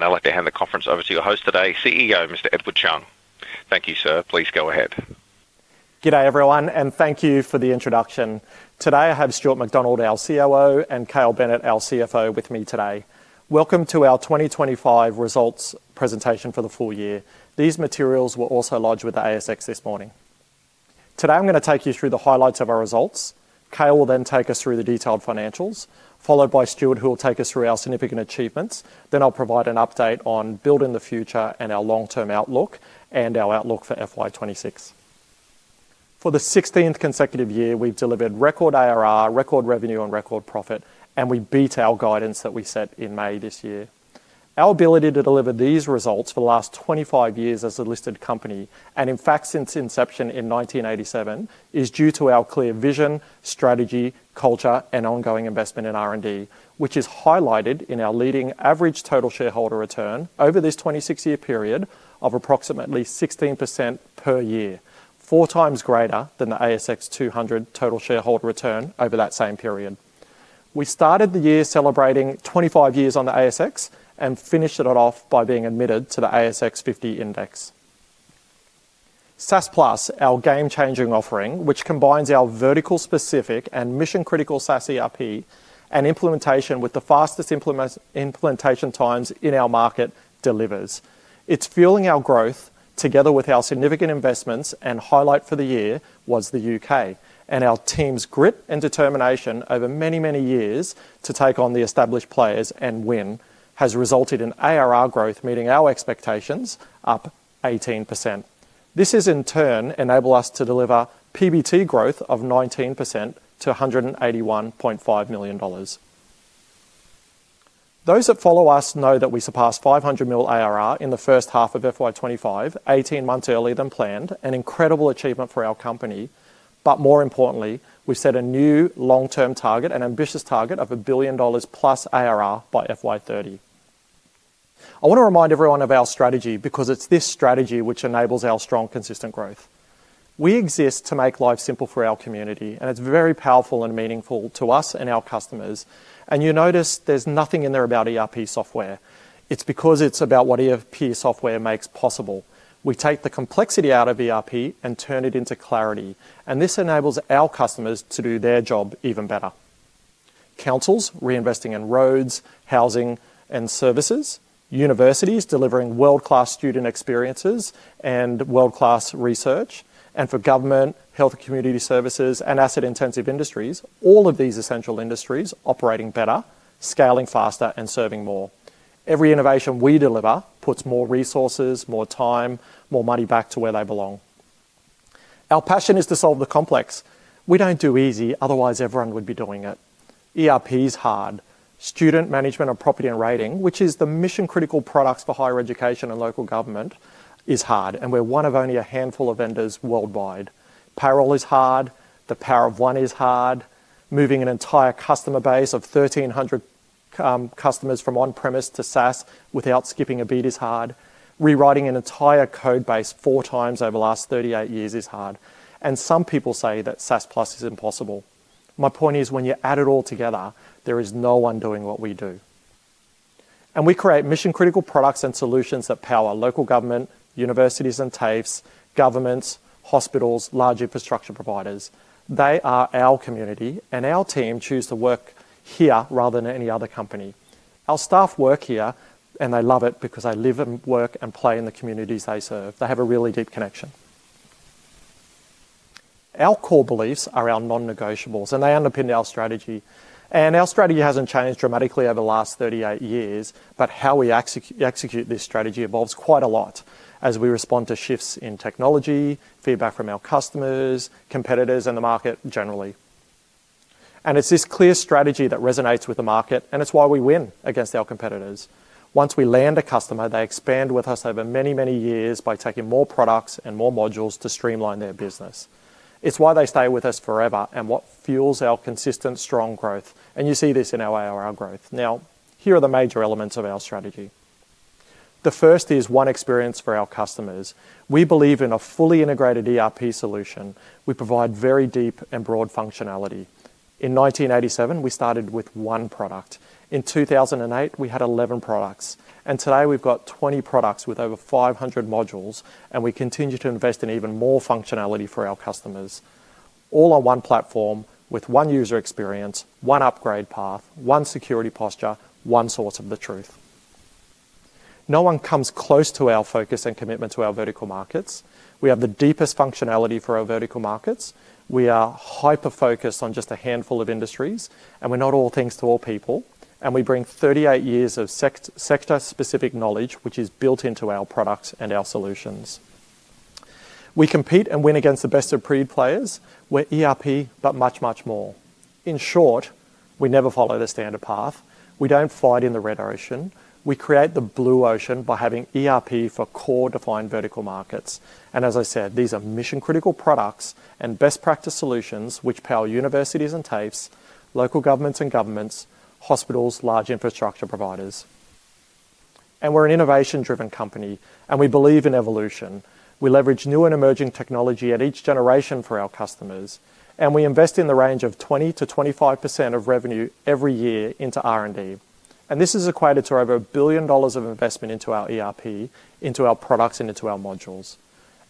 Now, let me hand the conference over to your host today, CEO Mr. Edward Chung. Thank you, sir. Please go ahead. Good day, everyone, and thank you for the introduction. Today I have Stuart MacDonald, our COO, and Cale Bennett, our CFO, with me today. Welcome to our 2025 results presentation for the full year. These materials were also lodged with the ASX this morning. Today I'm going to take you through the highlights of our results. Cale will then take us through the detailed financials, followed by Stuart, who will take us through our significant achievements. Then I'll provide an update on Building the Future and our long-term outlook and our outlook for FY 2026. For the 16th consecutive year, we've delivered record ARR, record revenue, and record profit, and we beat our guidance that we set in May this year. Our ability to deliver these results for the last 25 years as a listed company, and in fact since inception in 1987, is due to our clear vision, strategy, culture, and ongoing investment in R&D, which is highlighted in our leading average total shareholder return over this 26-year period of approximately 16% per year, four times greater than the ASX 200 total shareholder return over that same period. We started the year celebrating 25 years on the ASX and finished it off by being admitted to the ASX 50 Index. SaaS+, our game-changing offering, which combines our vertical-specific and mission-critical SaaS ERP and implementation with the fastest implementation times in our market, delivers. It's fueling our growth together with our significant investments, and highlight for the year was the U.K., and our team's grit and determination over many, many years to take on the established players and win has resulted in ARR growth meeting our expectations up 18%. This is, in turn, enabling us to deliver PBT growth of 19% to 181.5 million dollars. Those that follow us know that we surpassed 500 million ARR in the first half of FY 2025, 18 months earlier than planned, an incredible achievement for our company. More importantly, we set a new long-term target, an ambitious target of 1 billion dollars+ ARR by FY 2030. I want to remind everyone of our strategy because it's this strategy which enables our strong, consistent growth. We exist to make life simple for our community, and it's very powerful and meaningful to us and our customers. You notice there's nothing in there about ERP software. It's because it's about what ERP software makes possible. We take the complexity out of ERP and turn it into clarity, and this enables our customers to do their job even better. Councils, reinvesting in roads, housing, and services; universities delivering world-class student experiences and world-class research; and for government, health and community services, and asset-intensive industries, all of these essential industries operating better, scaling faster, and serving more. Every innovation we deliver puts more resources, more time, more money back to where they belong. Our passion is to solve the complex. We don't do easy; otherwise, everyone would be doing it. ERP is hard. Student management of property and rating, which is the mission-critical products for higher education and local government, is hard, and we're one of only a handful of vendors worldwide. Payroll is hard. The power of one is hard. Moving an entire customer base of 1,300 customers from on-premise to SaaS without skipping a beat is hard. Rewriting an entire code base 4x over the last 38 years is hard. Some people say that SaaS+ is impossible. My point is, when you add it all together, there is no one doing what we do. We create mission-critical products and solutions that power local government, universities and TAFEs, governments, hospitals, large infrastructure providers. They are our community, and our team chooses to work here rather than any other company. Our staff work here, and they love it because they live and work and play in the communities they serve. They have a really deep connection. Our core beliefs are our non-negotiables, and they underpin our strategy. Our strategy has not changed dramatically over the last 38 years, but how we execute this strategy evolves quite a lot as we respond to shifts in technology, feedback from our customers, competitors, and the market generally. It is this clear strategy that resonates with the market, and it is why we win against our competitors. Once we land a customer, they expand with us over many, many years by taking more products and more modules to streamline their business. It is why they stay with us forever and what fuels our consistent, strong growth. You see this in our ARR growth. Here are the major elements of our strategy. The first is one experience for our customers. We believe in a fully integrated ERP solution. We provide very deep and broad functionality. In 1987, we started with one product. In 2008, we had 11 products. Today we have 20 products with over 500 modules, and we continue to invest in even more functionality for our customers. All on one platform with one user experience, one upgrade path, one security posture, one source of the truth. No one comes close to our focus and commitment to our vertical markets. We have the deepest functionality for our vertical markets. We are hyper-focused on just a handful of industries, and we are not all things to all people. We bring 38 years of sector-specific knowledge, which is built into our products and our solutions. We compete and win against the best of breed players. We are ERP, but much, much more. In short, we never follow the standard path. We do not fight in the red ocean. We create the blue ocean by having ERP for core-defined vertical markets. As I said, these are mission-critical products and best-practice solutions which power universities and TAFEs, local governments and governments, hospitals, large infrastructure providers. We are an innovation-driven company, and we believe in evolution. We leverage new and emerging technology at each generation for our customers, and we invest in the range of 20%-25% of revenue every year into R&D. This is equated to over 1 billion dollars of investment into our ERP, into our products, and into our modules.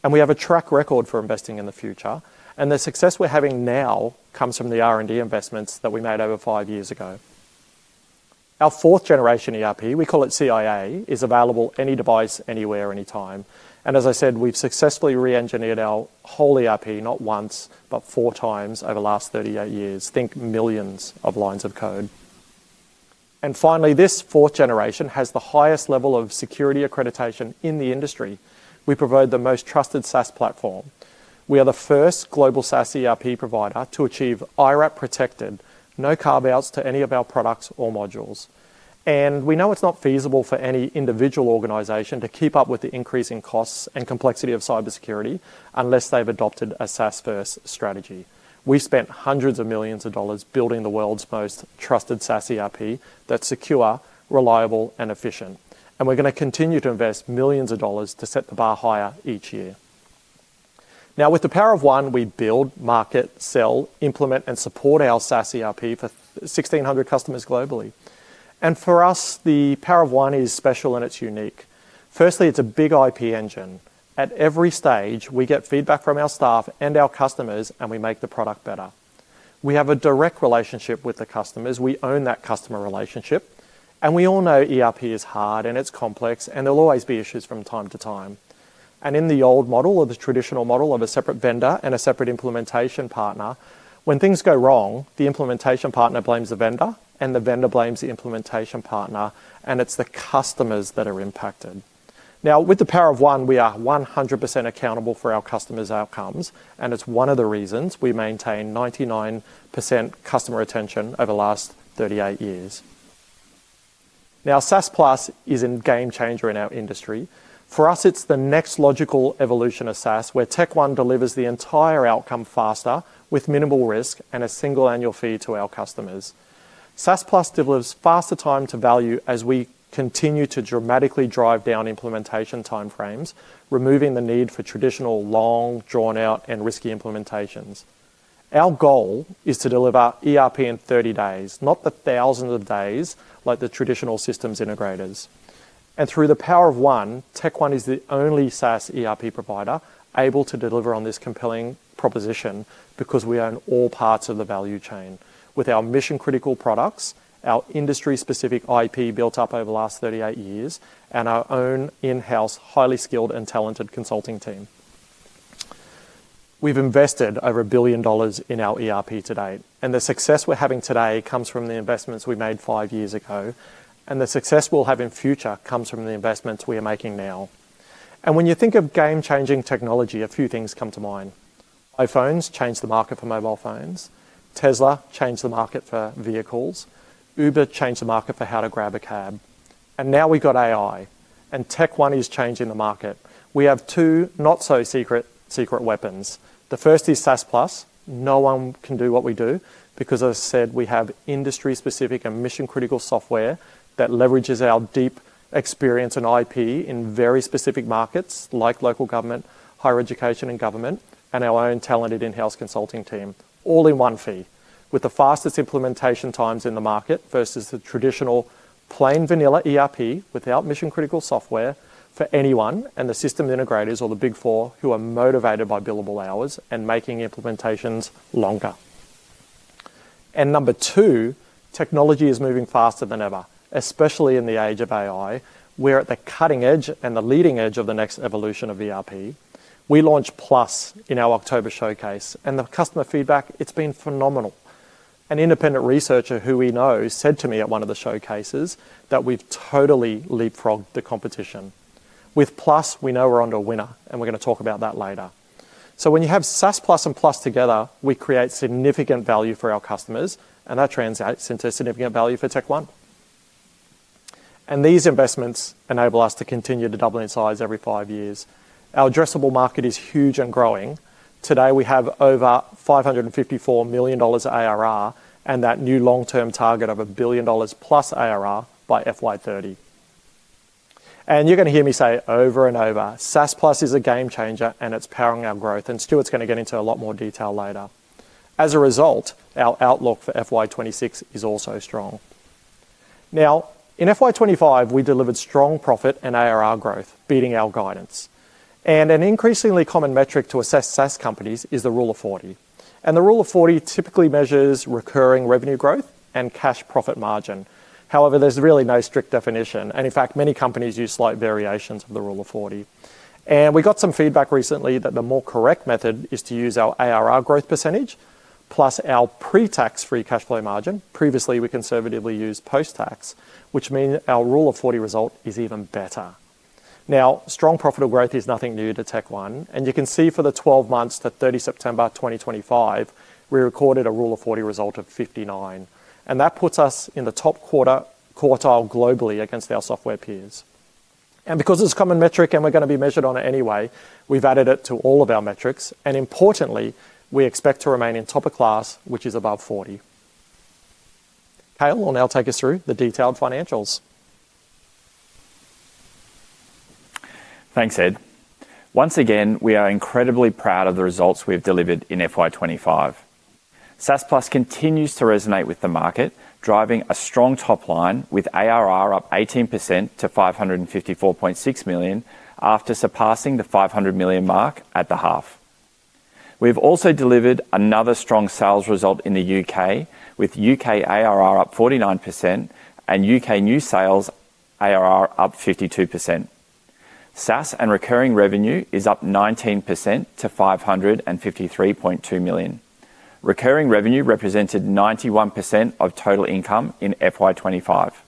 We have a track record for investing in the future, and the success we are having now comes from the R&D investments that we made over five years ago. Our fourth-generation ERP, we call it CIA, is available any device, anywhere, anytime. As I said, we have successfully re-engineered our whole ERP not once, but four times over the last 38 years. Think millions of lines of code. Finally, this fourth generation has the highest level of security accreditation in the industry. We provide the most trusted SaaS platform. We are the first global SaaS ERP provider to achieve IRAP protected, no carve-outs to any of our products or modules. We know it is not feasible for any individual organization to keep up with the increasing costs and complexity of cybersecurity unless they have adopted a SaaS-first strategy. We spent hundreds of millions of dollars building the world's most trusted SaaS ERP that is secure, reliable, and efficient. We are going to continue to invest millions of dollars to set the bar higher each year. Now, with the power of one, we build, market, sell, implement, and support our SaaS ERP for 1,600 customers globally. For us, the power of one is special and it is unique. Firstly, it is a big IP engine. At every stage, we get feedback from our staff and our customers, and we make the product better. We have a direct relationship with the customers. We own that customer relationship. We all know ERP is hard and it's complex, and there'll always be issues from time to time. In the old model or the traditional model of a separate vendor and a separate implementation partner, when things go wrong, the implementation partner blames the vendor, and the vendor blames the implementation partner, and it's the customers that are impacted. Now, with the power of one, we are 100% accountable for our customers' outcomes, and it's one of the reasons we maintain 99% customer retention over the last 38 years. Now, SaaS+ is a game changer in our industry. For us, it's the next logical evolution of SaaS where TechOne delivers the entire outcome faster with minimal risk and a single annual fee to our customers. SaaS+ delivers faster time to value as we continue to dramatically drive down implementation timeframes, removing the need for traditional, long, drawn-out, and risky implementations. Our goal is to deliver ERP in 30 days, not the thousands of days like the traditional systems integrators. Through the power of one, TechnologyOne is the only SaaS ERP provider able to deliver on this compelling proposition because we own all parts of the value chain with our mission-critical products, our industry-specific IP built up over the last 38 years, and our own in-house, highly skilled and talented consulting team. have invested over a billion dollars in our ERP to date, and the success we are having today comes from the investments we made five years ago, and the success we will have in future comes from the investments we are making now. When you think of game-changing technology, a few things come to mind. iPhones changed the market for mobile phones. Tesla changed the market for vehicles. Uber changed the market for how to grab a cab. Now we have AI, and TechOne is changing the market. We have two not-so-secret secret weapons. The first is SaaS+. No one can do what we do because, as I said, we have industry-specific and mission-critical software that leverages our deep experience and IP in very specific markets like local government, higher education, and government, and our own talented in-house consulting team, all in one fee with the fastest implementation times in the market versus the traditional plain vanilla ERP without mission-critical software for anyone and the system integrators or the Big Four who are motivated by billable hours and making implementations longer. Number two, technology is moving faster than ever, especially in the age of AI. We're at the cutting edge and the leading edge of the next evolution of ERP. We launched Plus in our October showcase, and the customer feedback, it's been phenomenal. An independent researcher who we know said to me at one of the showcases that we've totally leapfrogged the competition. With Plus, we know we're under a winner, and we're going to talk about that later. When you have SaaS+ and Plus together, we create significant value for our customers, and that translates into significant value for TechOne. These investments enable us to continue to double in size every five years. Our addressable market is huge and growing. Today, we have over 554 million dollars ARR and that new long-term target of 1 billion dollars+ ARR by FY 2030. You're going to hear me say over and over, SaaS+ is a game changer, and it's powering our growth. Stuart's going to get into a lot more detail later. As a result, our outlook for FY 2026 is also strong. In FY 2025, we delivered strong profit and ARR growth, beating our guidance. An increasingly common metric to assess SaaS companies is the Rule of 40. The Rule of 40 typically measures recurring revenue growth and cash profit margin. However, there is really no strict definition. In fact, many companies use slight variations of the Rule of 40. We got some feedback recently that the more correct method is to use our ARR growth % plus our pre-tax free cash flow margin. Previously, we conservatively used post-tax, which means our Rule of 40 result is even better. Strong profitable growth is nothing new to TechnologyOne. You can see for the 12 months to 30 September 2025, we recorded a Rule of 40 result of 59. That puts us in the top quartile globally against our software peers. Because it is a common metric and we are going to be measured on it anyway, we have added it to all of our metrics. Importantly, we expect to remain in top of class, which is above 40. Cale, I'll now take us through the detailed financials. Thanks, Ed. Once again, we are incredibly proud of the results we have delivered in 2025. SaaS+ continues to resonate with the market, driving a strong top line with ARR up 18% to 554.6 million after surpassing the 500 million mark at the half. We've also delivered another strong sales result in the U.K. with U.K. ARR up 49% and U.K. new sales ARR up 52%. SaaS and recurring revenue is up 19% to 553.2 million. Recurring revenue represented 91% of total income in 2025.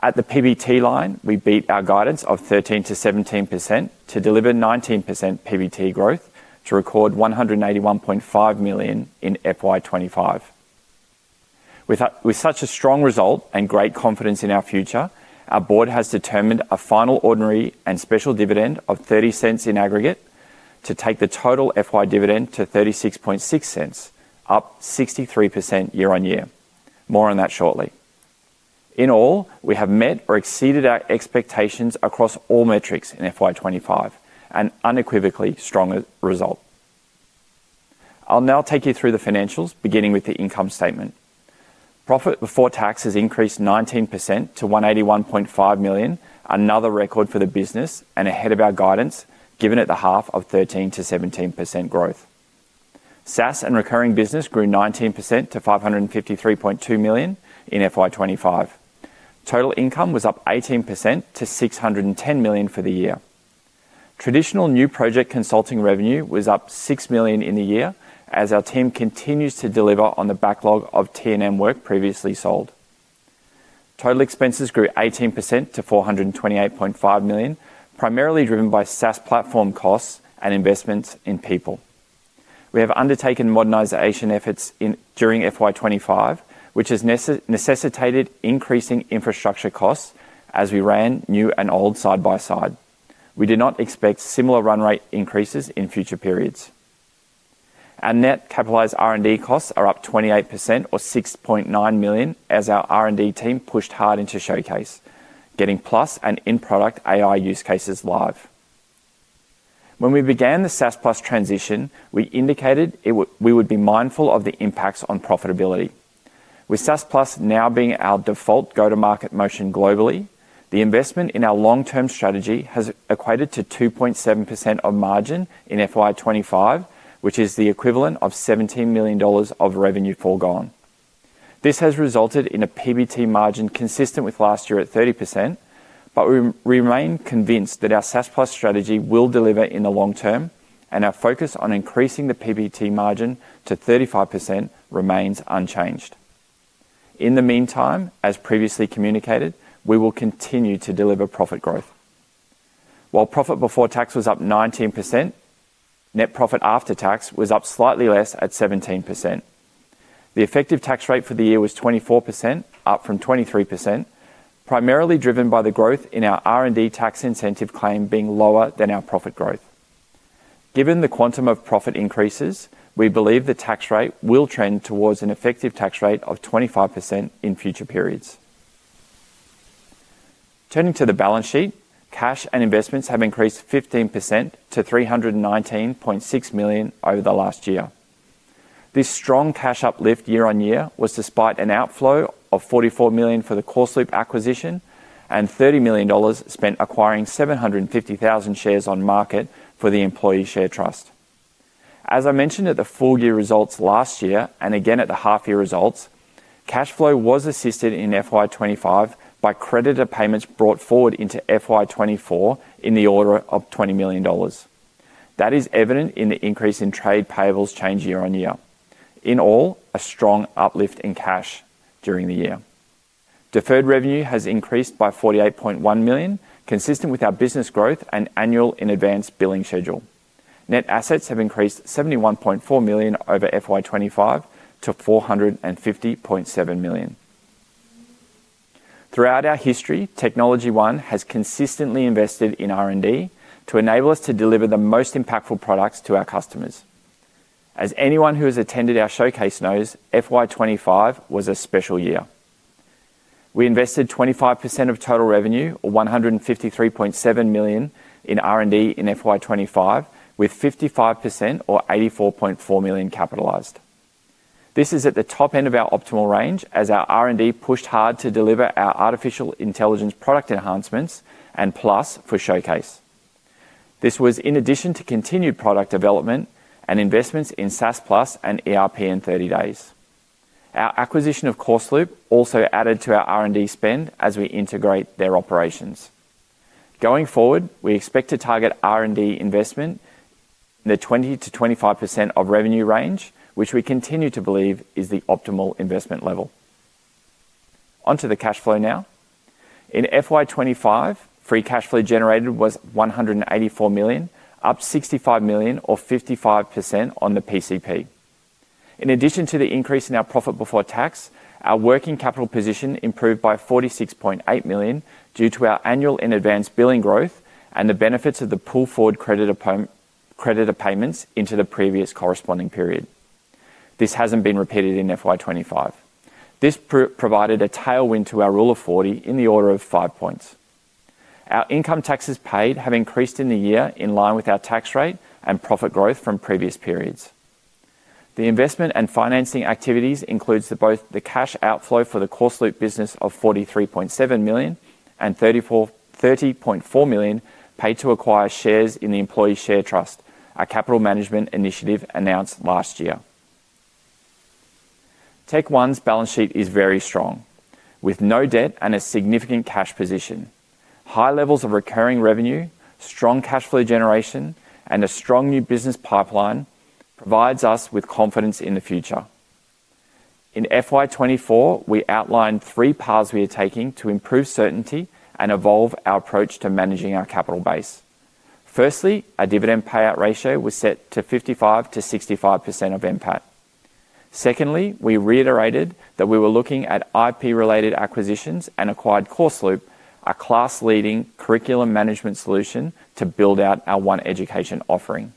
At the PBT line, we beat our guidance of 13%-17% to deliver 19% PBT growth to record 181.5 million in 2025. With such a strong result and great confidence in our future, our board has determined a final ordinary and special dividend of $0.30 in aggregate to take the total FY dividend to $0.36, up 63% year on year. More on that shortly. In all, we have met or exceeded our expectations across all metrics in FY 2025, an unequivocally strong result. I'll now take you through the financials, beginning with the income statement. Profit before tax has increased 19% to $181.5 million, another record for the business and ahead of our guidance, given at the half of 13%-17% growth. SaaS and recurring business grew 19% to $553.2 million in FY 2025. Total income was up 18% to $610 million for the year. Traditional new project consulting revenue was up $6 million in the year as our team continues to deliver on the backlog of T&M work previously sold. Total expenses grew 18% to 428.5 million, primarily driven by SaaS platform costs and investments in people. We have undertaken modernization efforts during FY 2025, which has necessitated increasing infrastructure costs as we ran new and old side by side. We do not expect similar run rate increases in future periods. Our net capitalized R&D costs are up 28% or 6.9 million as our R&D team pushed hard into showcase, getting Plus and in-product AI use cases live. When we began the SaaS+ transition, we indicated we would be mindful of the impacts on profitability. With SaaS+ now being our default go-to-market motion globally, the investment in our long-term strategy has equated to 2.7% of margin in FY 2025, which is the equivalent of 17 million dollars of revenue foregone. This has resulted in a PBT margin consistent with last year at 30%, but we remain convinced that our SaaS+ strategy will deliver in the long term, and our focus on increasing the PBT margin to 35% remains unchanged. In the meantime, as previously communicated, we will continue to deliver profit growth. While profit before tax was up 19%, net profit after tax was up slightly less at 17%. The effective tax rate for the year was 24%, up from 23%, primarily driven by the growth in our R&D tax incentive claim being lower than our profit growth. Given the quantum of profit increases, we believe the tax rate will trend towards an effective tax rate of 25% in future periods. Turning to the balance sheet, cash and investments have increased 15% to 319.6 million over the last year. This strong cash uplift year on year was despite an outflow of 44 million for the CourseLoop acquisition and 30 million dollars spent acquiring 750,000 shares on market for the Employee Share Trust. As I mentioned at the full-year results last year and again at the half-year results, cash flow was assisted in FY 2025 by creditor payments brought forward into FY 2024 in the order of 20 million dollars. That is evident in the increase in trade payables change year on year. In all, a strong uplift in cash during the year. Deferred revenue has increased by 48.1 million, consistent with our business growth and annual in-advance billing schedule. Net assets have increased 71.4 million over FY 2025 to 450.7 million. Throughout our history, TechnologyOne has consistently invested in R&D to enable us to deliver the most impactful products to our customers. As anyone who has attended our showcase knows, FY 2025 was a special year. We invested 25% of total revenue, or 153.7 million, in R&D in FY 2025, with 55% or 84.4 million capitalized. This is at the top end of our optimal range as our R&D pushed hard to deliver our artificial intelligence product enhancements and Plus for showcase. This was in addition to continued product development and investments in SaaS+ and ERP in 30 days. Our acquisition of CourseLoop also added to our R&D spend as we integrate their operations. Going forward, we expect to target R&D investment in the 20%-25% of revenue range, which we continue to believe is the optimal investment level. Onto the cash flow now. In FY 2025, free cash flow generated was 184 million, up 65 million, or 55% on the PCP. In addition to the increase in our profit before tax, our working capital position improved by 46.8 million due to our annual in-advance billing growth and the benefits of the pull forward creditor payments into the previous corresponding period. This has not been repeated in FY 2025. This provided a tailwind to our Rule of 40 in the order of five percentage points. Our income taxes paid have increased in the year in line with our tax rate and profit growth from previous periods. The investment and financing activities include both the cash outflow for the CourseLoop business of 43.7 million and 30.4 million paid to acquire shares in the Employee Share Trust, a capital management initiative announced last year. TechOne's balance sheet is very strong, with no debt and a significant cash position. High levels of recurring revenue, strong cash flow generation, and a strong new business pipeline provide us with confidence in the future. In FY 2024, we outlined three paths we are taking to improve certainty and evolve our approach to managing our capital base. Firstly, our dividend payout ratio was set to 55%-65% of MPAT. Secondly, we reiterated that we were looking at IP-related acquisitions and acquired CourseLoop, a class-leading curriculum management solution to build out our OneEducation offering.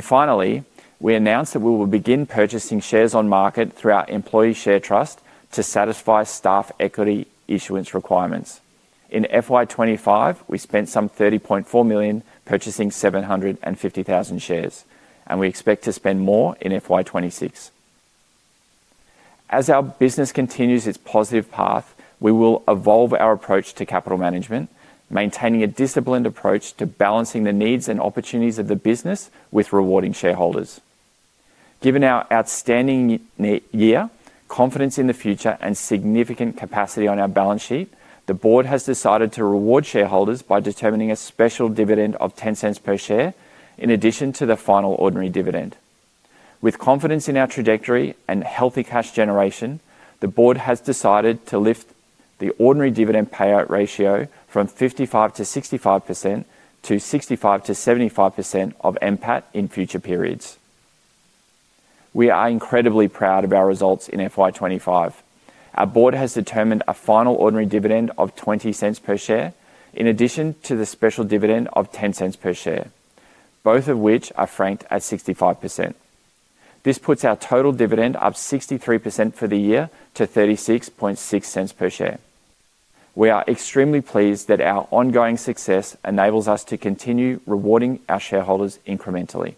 Finally, we announced that we will begin purchasing shares on market through our Employee Share Trust to satisfy staff equity issuance requirements. In FY 2025, we spent 30.4 million purchasing 750,000 shares, and we expect to spend more in FY 2026. As our business continues its positive path, we will evolve our approach to capital management, maintaining a disciplined approach to balancing the needs and opportunities of the business with rewarding shareholders. Given our outstanding year, confidence in the future, and significant capacity on our balance sheet, the board has decided to reward shareholders by determining a special dividend of 0.10 per share in addition to the final ordinary dividend. With confidence in our trajectory and healthy cash generation, the board has decided to lift the ordinary dividend payout ratio from 55%-65% to 65%-75% of MPAT in future periods. We are incredibly proud of our results in FY 2025. Our board has determined a final ordinary dividend of 0.20 per share in addition to the special dividend of 0.10 per share, both of which are franked at 65%. This puts our total dividend up 63% for the year to 0.36 per share. We are extremely pleased that our ongoing success enables us to continue rewarding our shareholders incrementally.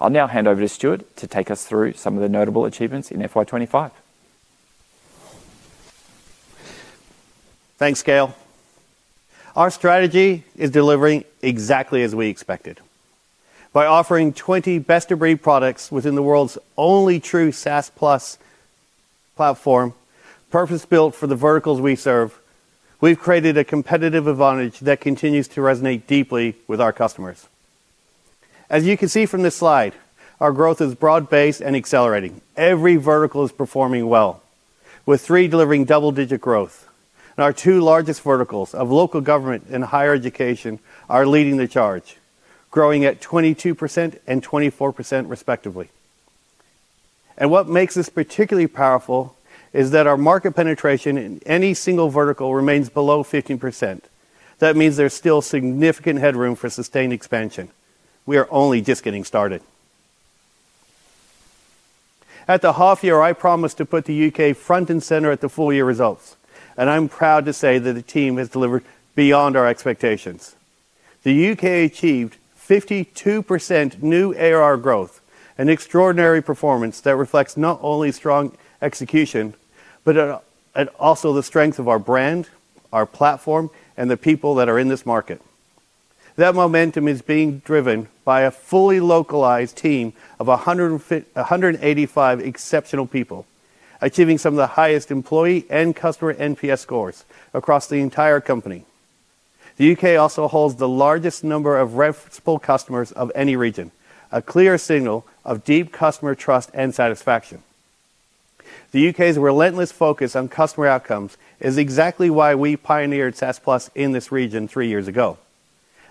I'll now hand over to Stuart to take us through some of the notable achievements in FY 2025. Thanks, Cale. Our strategy is delivering exactly as we expected. By offering 20 best-of-breed products within the world's only true SaaS+ platform, purpose-built for the verticals we serve, we've created a competitive advantage that continues to resonate deeply with our customers. As you can see from this slide, our growth is broad-based and accelerating. Every vertical is performing well, with three delivering double-digit growth. Our two largest verticals of local government and higher education are leading the charge, growing at 22% and 24%, respectively. What makes this particularly powerful is that our market penetration in any single vertical remains below 15%. That means there's still significant headroom for sustained expansion. We are only just getting started. At the half-year, I promised to put the U.K. front and center at the full-year results, and I'm proud to say that the team has delivered beyond our expectations. The U.K. achieved 52% new ARR growth, an extraordinary performance that reflects not only strong execution, but also the strength of our brand, our platform, and the people that are in this market. That momentum is being driven by a fully localized team of 185 exceptional people, achieving some of the highest employee and customer NPS scores across the entire company. The U.K. also holds the largest number of reputable customers of any region, a clear signal of deep customer trust and satisfaction. The U.K.'s relentless focus on customer outcomes is exactly why we pioneered SaaS+ in this region three years ago.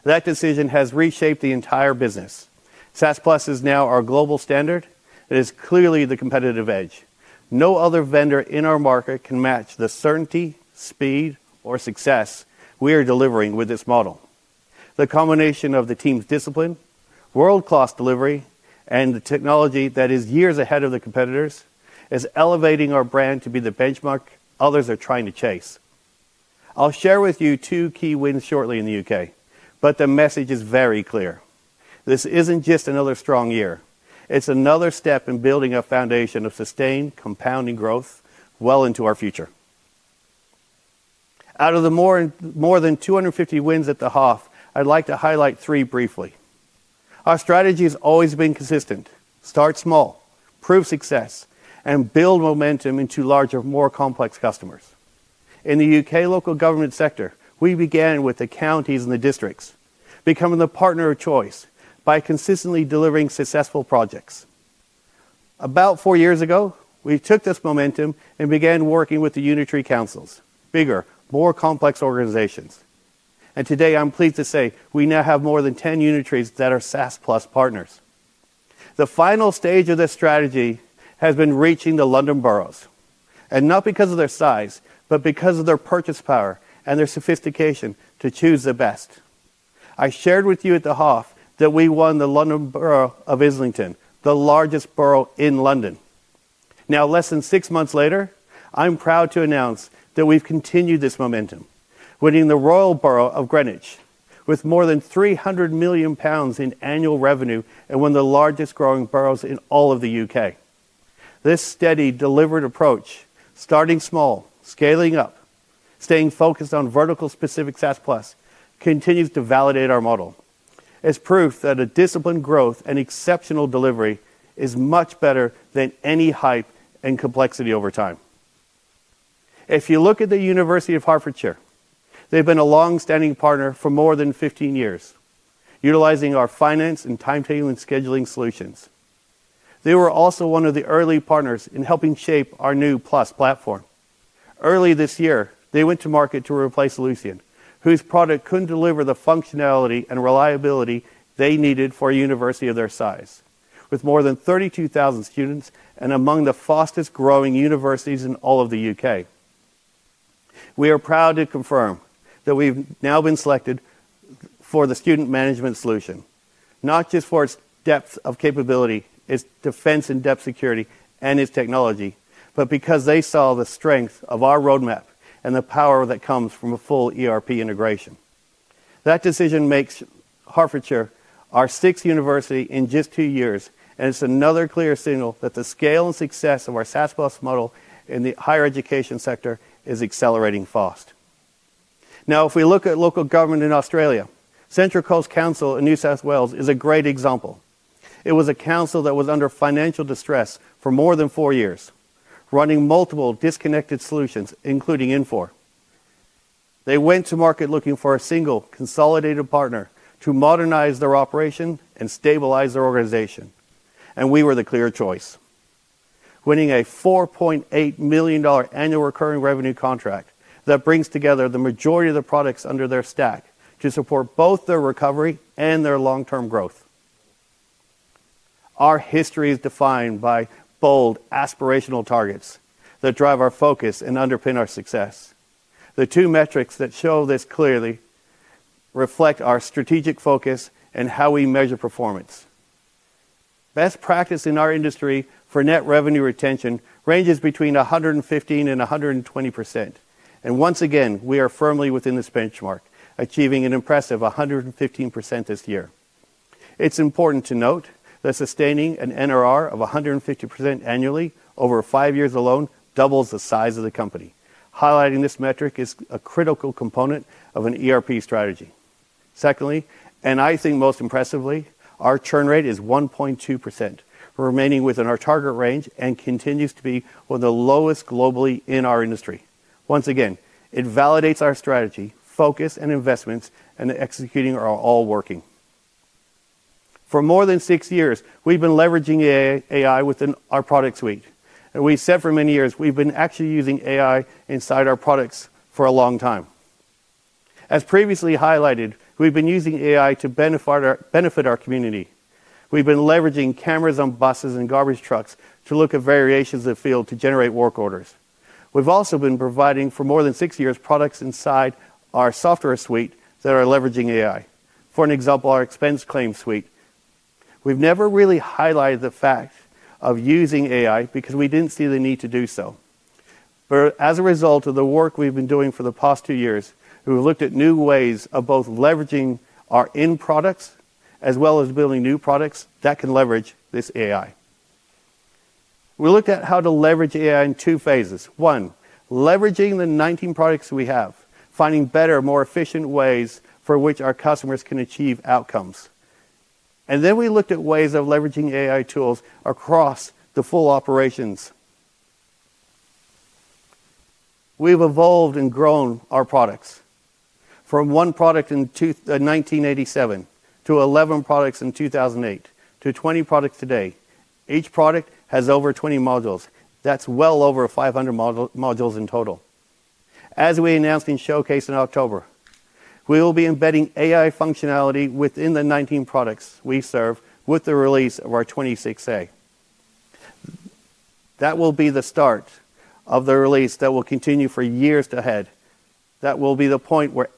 That decision has reshaped the entire business. SaaS+ is now our global standard. It is clearly the competitive edge. No other vendor in our market can match the certainty, speed, or success we are delivering with this model. The combination of the team's discipline, world-class delivery, and the technology that is years ahead of the competitors is elevating our brand to be the benchmark others are trying to chase. I'll share with you two key wins shortly in the U.K., but the message is very clear. This isn't just another strong year. It's another step in building a foundation of sustained, compounding growth well into our future. Out of the more than 250 wins at the half, I'd like to highlight three briefly. Our strategy has always been consistent: start small, prove success, and build momentum into larger, more complex customers. In the U.K. local government sector, we began with the counties and the districts, becoming the partner of choice by consistently delivering successful projects. About four years ago, we took this momentum and began working with the Unitary Councils, bigger, more complex organizations. Today, I'm pleased to say we now have more than 10 Unitaries that are SaaS+ partners. The final stage of this strategy has been reaching the London boroughs, and not because of their size, but because of their purchase power and their sophistication to choose the best. I shared with you at the half that we won the London Borough of Islington, the largest borough in London. Now, less than six months later, I'm proud to announce that we've continued this momentum, winning the Royal Borough of Greenwich with more than 300 million pounds in annual revenue and one of the largest growing boroughs in all of the U.K. This steady, deliberate approach, starting small, scaling up, staying focused on vertical-specific SaaS+, continues to validate our model. It's proof that a disciplined growth and exceptional delivery is much better than any hype and complexity over time. If you look at the University of Hertfordshire, they've been a long-standing partner for more than 15 years, utilizing our finance and timetabling scheduling solutions. They were also one of the early partners in helping shape our new Plus platform. Early this year, they went to market to replace Ellucian, whose product could not deliver the functionality and reliability they needed for a university of their size, with more than 32,000 students and among the fastest-growing universities in all of the U.K. We are proud to confirm that we have now been selected for the student management solution, not just for its depth of capability, its defense and depth security, and its technology, but because they saw the strength of our roadmap and the power that comes from a full ERP integration. That decision makes Hertfordshire our sixth university in just two years, and it is another clear signal that the scale and success of our SaaS+ model in the higher education sector is accelerating fast. Now, if we look at local government in Australia, Central Coast Council in New South Wales is a great example. It was a council that was under financial distress for more than four years, running multiple disconnected solutions, including Infor. They went to market looking for a single consolidated partner to modernize their operation and stabilize their organization, and we were the clear choice, winning an 4.8 million dollar annual recurring revenue contract that brings together the majority of the products under their stack to support both their recovery and their long-term growth. Our history is defined by bold, aspirational targets that drive our focus and underpin our success. The two metrics that show this clearly reflect our strategic focus and how we measure performance. Best practice in our industry for net revenue retention ranges between 115% and 120%. Once again, we are firmly within this benchmark, achieving an impressive 115% this year. It's important to note that sustaining an NRR of 150% annually over five years alone doubles the size of the company. Highlighting this metric is a critical component of an ERP strategy. Secondly, and I think most impressively, our churn rate is 1.2%, remaining within our target range and continues to be one of the lowest globally in our industry. Once again, it validates our strategy, focus, and investments and executing are all working. For more than six years, we've been leveraging AI within our product suite, and we said for many years we've been actually using AI inside our products for a long time. As previously highlighted, we've been using AI to benefit our community. We've been leveraging cameras on buses and garbage trucks to look at variations of field to generate work orders. have also been providing for more than six years products inside our software suite that are leveraging AI. For an example, our expense claim suite. We have never really highlighted the fact of using AI because we did not see the need to do so. As a result of the work we have been doing for the past two years, we have looked at new ways of both leveraging our end products as well as building new products that can leverage this AI. We looked at how to leverage AI in two phases. One, leveraging the 19 products we have, finding better, more efficient ways for which our customers can achieve outcomes. We looked at ways of leveraging AI tools across the full operations. We have evolved and grown our products from one product in 1987 to 11 products in 2008 to 20 products today. Each product has over 20 modules. That's well over 500 modules in total. As we announced in Showcase in October, we will be embedding AI functionality within the 19 products we serve with the release of our 26A. That will be the start of the release that will continue for years ahead. That will be the point where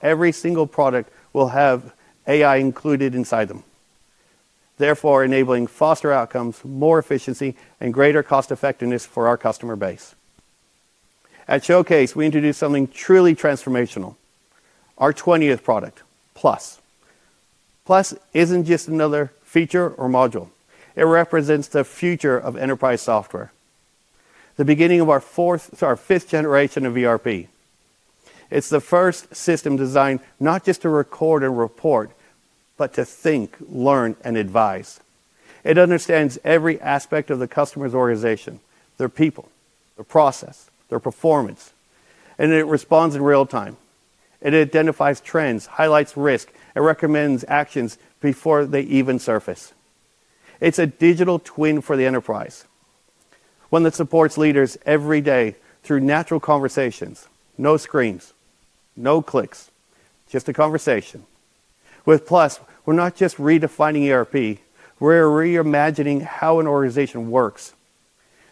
every single product will have AI included inside them, therefore enabling faster outcomes, more efficiency, and greater cost-effectiveness for our customer base. At Showcase, we introduced something truly transformational, our 20th product, Plus. Plus isn't just another feature or module. It represents the future of enterprise software, the beginning of our fifth generation of ERP. It's the first system designed not just to record and report, but to think, learn, and advise. It understands every aspect of the customer's organization, their people, their process, their performance, and it responds in real time. It identifies trends, highlights risk, and recommends actions before they even surface. It's a digital twin for the enterprise, one that supports leaders every day through natural conversations, no screens, no clicks, just a conversation. With Plus, we're not just redefining ERP. We're reimagining how an organization works.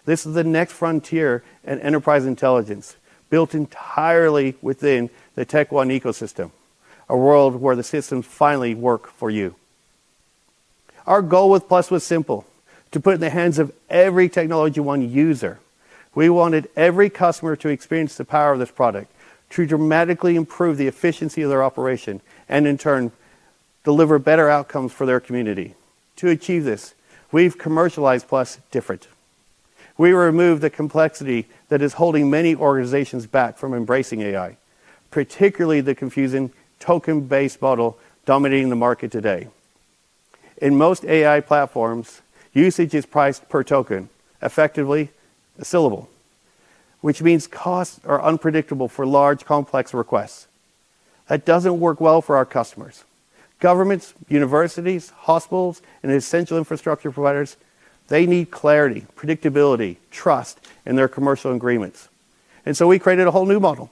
This is the next frontier in enterprise intelligence built entirely within the TechOne ecosystem, a world where the systems finally work for you. Our goal with Plus was simple: to put it in the hands of every TechnologyOne user. We wanted every customer to experience the power of this product to dramatically improve the efficiency of their operation and, in turn, deliver better outcomes for their community. To achieve this, we've commercialized Plus differently. We removed the complexity that is holding many organizations back from embracing AI, particularly the confusing token-based model dominating the market today. In most AI platforms, usage is priced per token, effectively a syllable, which means costs are unpredictable for large, complex requests. That does not work well for our customers, governments, universities, hospitals, and essential infrastructure providers. They need clarity, predictability, trust in their commercial agreements. We created a whole new model.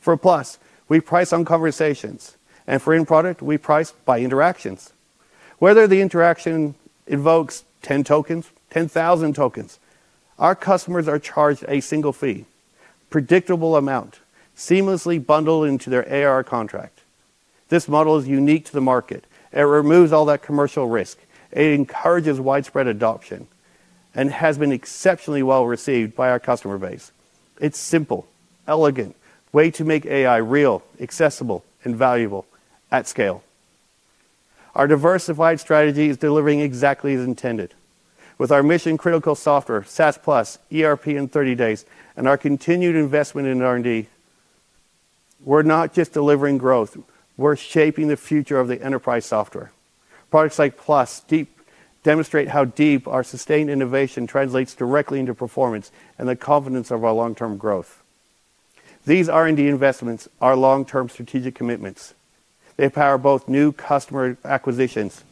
For Plus, we price on conversations, and for end product, we price by interactions. Whether the interaction invokes 10 tokens, 10,000 tokens, our customers are charged a single fee, predictable amount, seamlessly bundled into their ARR contract. This model is unique to the market. It removes all that commercial risk. It encourages widespread adoption and has been exceptionally well received by our customer base. It is simple, elegant, a way to make AI real, accessible, and valuable at scale. Our diversified strategy is delivering exactly as intended. With our mission-critical software, SaaS+, ERP in 30 days, and our continued investment in R&D, we're not just delivering growth. We're shaping the future of the enterprise software. Products like Plus demonstrate how deep our sustained innovation translates directly into performance and the confidence of our long-term growth. These R&D investments are long-term strategic commitments. They power both new customer acquisitions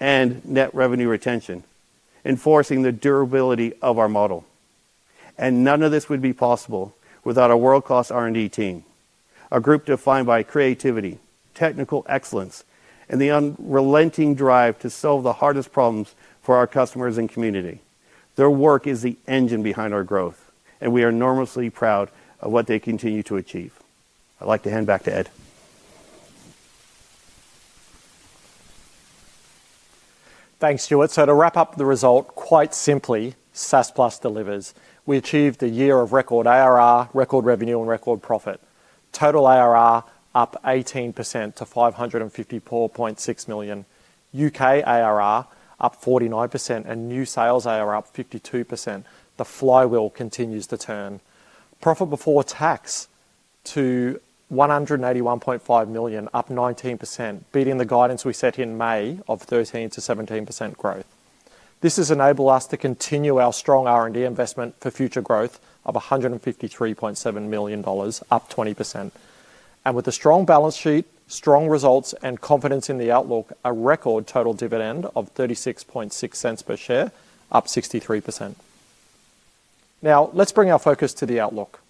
and net revenue retention, enforcing the durability of our model. None of this would be possible without a world-class R&D team, a group defined by creativity, technical excellence, and the unrelenting drive to solve the hardest problems for our customers and community. Their work is the engine behind our growth, and we are enormously proud of what they continue to achieve. I'd like to hand back to Ed. Thanks, Stuart. To wrap up the result, quite simply, SaaS+ delivers. We achieved a year of record ARR, record revenue, and record profit. Total ARR up 18% to 554.6 million. U.K. ARR up 49% and new sales ARR up 52%. The flywheel continues to turn. Profit before tax to 181.5 million, up 19%, beating the guidance we set in May of 13%-17% growth. This has enabled us to continue our strong R&D investment for future growth of 153.7 million dollars, up 20%. With a strong balance sheet, strong results, and confidence in the outlook, a record total dividend of 0.366 per share, up 63%. Now, let's bring our focus to the outlook.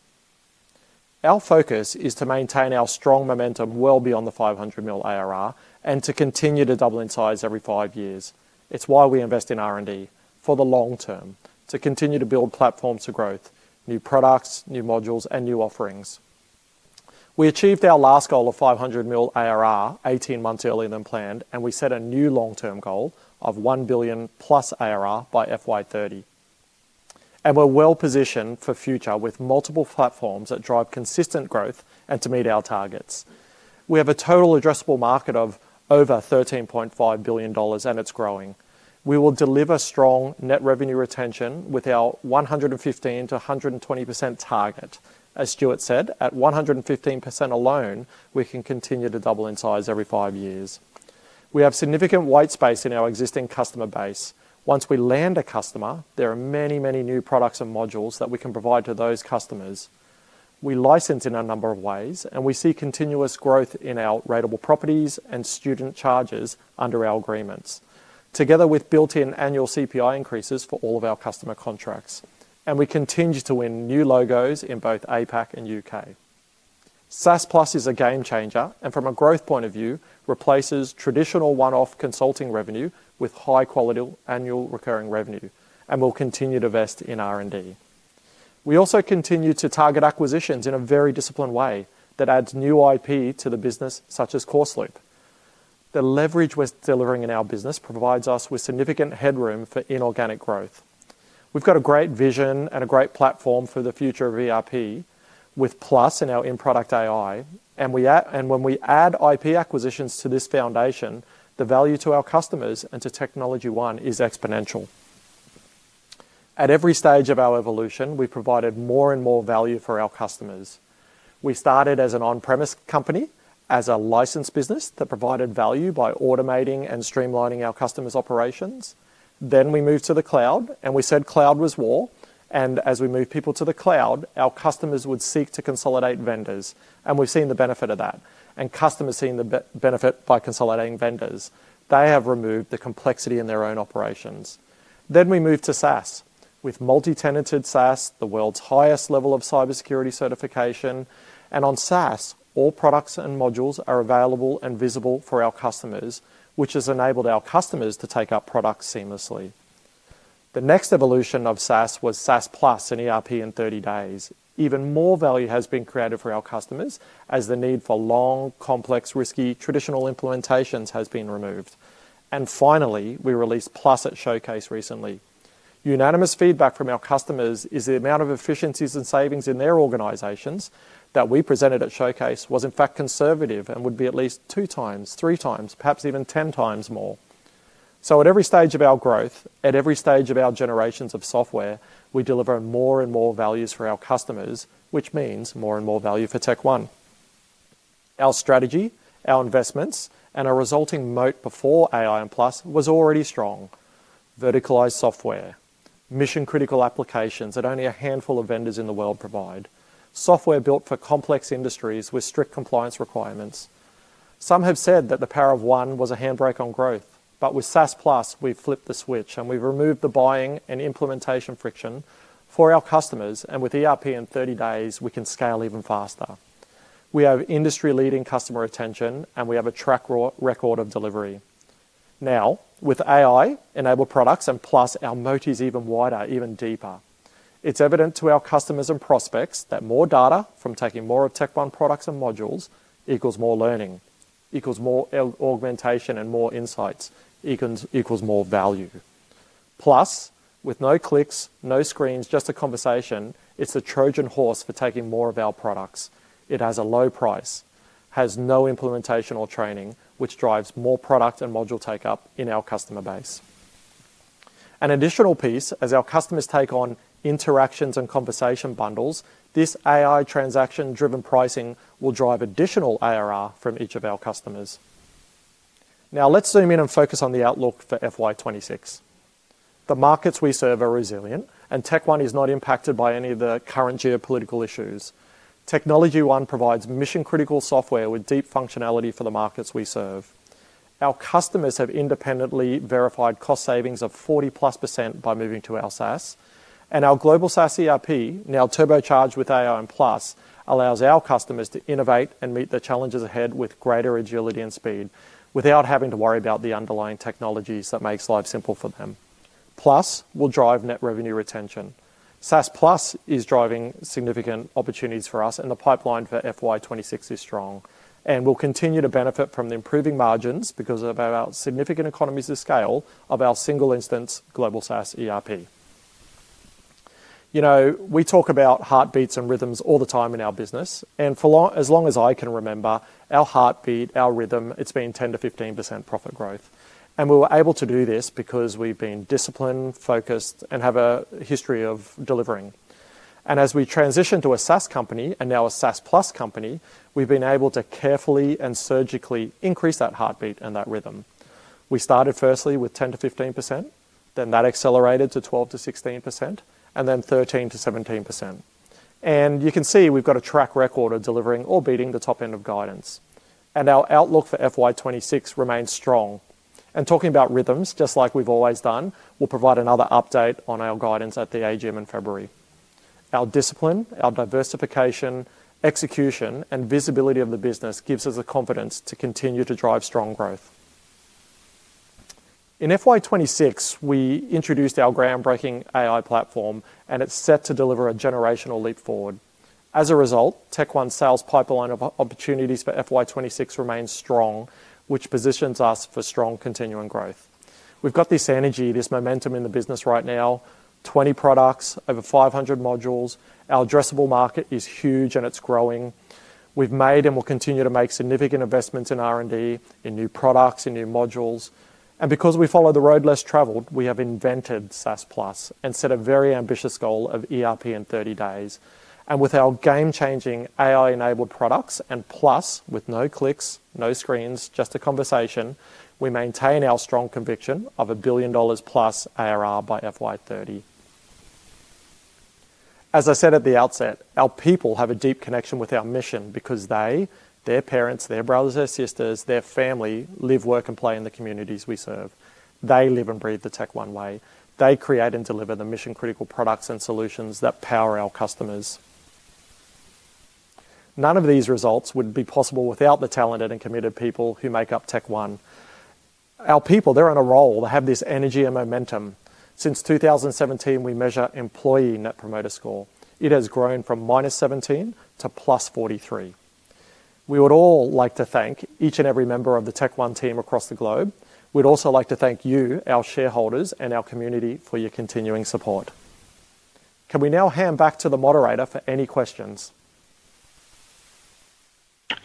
Our focus is to maintain our strong momentum well beyond the 500 million ARR and to continue to double in size every five years. It's why we invest in R&D for the long term, to continue to build platforms for growth, new products, new modules, and new offerings. We achieved our last goal of 500 million ARR 18 months earlier than planned, and we set a new long-term goal of 1 billion+ ARR by FY2030. We are well positioned for the future with multiple platforms that drive consistent growth and to meet our targets. We have a total addressable market of over 13.5 billion dollars, and it's growing. We will deliver strong net revenue retention with our 115%-120% target. As Stuart said, at 115% alone, we can continue to double in size every five years. We have significant white space in our existing customer base. Once we land a customer, there are many, many new products and modules that we can provide to those customers. We license in a number of ways, and we see continuous growth in our ratable properties and student charges under our agreements, together with built-in annual CPI increases for all of our customer contracts. We continue to win new logos in both APAC and U.K. SaaS+ is a game changer, and from a growth point of view, replaces traditional one-off consulting revenue with high-quality annual recurring revenue, and we'll continue to vest in R&D. We also continue to target acquisitions in a very disciplined way that adds new IP to the business, such as CourseLoop. The leverage we're delivering in our business provides us with significant headroom for inorganic growth. We've got a great vision and a great platform for the future of ERP with Plus in our end product AI. When we add IP acquisitions to this foundation, the value to our customers and to TechnologyOne is exponential. At every stage of our evolution, we provided more and more value for our customers. We started as an on-premise company, as a licensed business that provided value by automating and streamlining our customers' operations. We moved to the cloud, and we said cloud was war. As we moved people to the cloud, our customers would seek to consolidate vendors. We have seen the benefit of that, and customers are seeing the benefit by consolidating vendors. They have removed the complexity in their own operations. We moved to SaaS with multi-tenanted SaaS, the world's highest level of cybersecurity certification. On SaaS, all products and modules are available and visible for our customers, which has enabled our customers to take up products seamlessly. The next evolution of SaaS was SaaS+ in ERP in 30 days. Even more value has been created for our customers as the need for long, complex, risky, traditional implementations has been removed. Finally, we released Plus at Showcase recently. Unanimous feedback from our customers is the amount of efficiencies and savings in their organizations that we presented at Showcase was, in fact, conservative and would be at least two times, three times, perhaps even ten times more. At every stage of our growth, at every stage of our generations of software, we deliver more and more value for our customers, which means more and more value for TechOne. Our strategy, our investments, and our resulting moat before AI and Plus was already strong: verticalized software, mission-critical applications that only a handful of vendors in the world provide, software built for complex industries with strict compliance requirements. Some have said that the power of one was a handbrake on growth, but with SaaS+, we've flipped the switch, and we've removed the buying and implementation friction for our customers. With ERP in 30 days, we can scale even faster. We have industry-leading customer retention, and we have a track record of delivery. Now, with AI-enabled products and Plus, our moat is even wider, even deeper. It's evident to our customers and prospects that more data from taking more of TechOne products and modules equals more learning, equals more augmentation and more insights, equals more value. Plus, with no clicks, no screens, just a conversation, it's a Trojan horse for taking more of our products. It has a low price, has no implementation or training, which drives more product and module take-up in our customer base. An additional piece, as our customers take on interactions and conversation bundles, this AI transaction-driven pricing will drive additional ARR from each of our customers. Now, let's zoom in and focus on the outlook for FY 2026. The markets we serve are resilient, and TechOne is not impacted by any of the current geopolitical issues. TechnologyOne provides mission-critical software with deep functionality for the markets we serve. Our customers have independently verified cost savings of 40+% by moving to our SaaS. Our global SaaS ERP, now turbocharged with AI and Plus, allows our customers to innovate and meet the challenges ahead with greater agility and speed without having to worry about the underlying technologies that make life simple for them. Plus will drive net revenue retention. SaaS+ is driving significant opportunities for us, and the pipeline for FY 2026 is strong. We will continue to benefit from the improving margins because of our significant economies of scale of our single-instance global SaaS ERP. You know, we talk about heartbeats and rhythms all the time in our business. For as long as I can remember, our heartbeat, our rhythm, it's been 10%-15% profit growth. We were able to do this because we've been disciplined, focused, and have a history of delivering. As we transitioned to a SaaS company and now a SaaS+ company, we've been able to carefully and surgically increase that heartbeat and that rhythm. We started firstly with 10%-15%, then that accelerated to 12%-16%, and then 13%-17%. You can see we've got a track record of delivering or beating the top end of guidance. Our outlook for FY 2026 remains strong. Talking about rhythms, just like we've always done, we'll provide another update on our guidance at the AGM in February. Our discipline, our diversification, execution, and visibility of the business gives us the confidence to continue to drive strong growth. In FY 2026, we introduced our groundbreaking AI platform, and it's set to deliver a generational leap forward. As a result, TechnologyOne's sales pipeline of opportunities for FY 2026 remains strong, which positions us for strong continuing growth. We've got this energy, this momentum in the business right now: 20 products, over 500 modules. Our addressable market is huge, and it's growing. We've made and will continue to make significant investments in R&D, in new products, in new modules. Because we follow the road less traveled, we have invented SaaS+ and set a very ambitious goal of ERP in 30 days. With our game-changing AI-enabled products and Plus with no clicks, no screens, just a conversation, we maintain our strong conviction of a billion dollars plus ARR by FY 2030. As I said at the outset, our people have a deep connection with our mission because they, their parents, their brothers and sisters, their family live, work, and play in the communities we serve. They live and breathe the TechOne way. They create and deliver the mission-critical products and solutions that power our customers. None of these results would be possible without the talented and committed people who make up TechOne. Our people, they're on a roll. They have this energy and momentum. Since 2017, we measure employee net promoter score. It has grown from -17 to +43. We would all like to thank each and every member of the TechOne team across the globe. We'd also like to thank you, our shareholders and our community, for your continuing support. Can we now hand back to the moderator for any questions?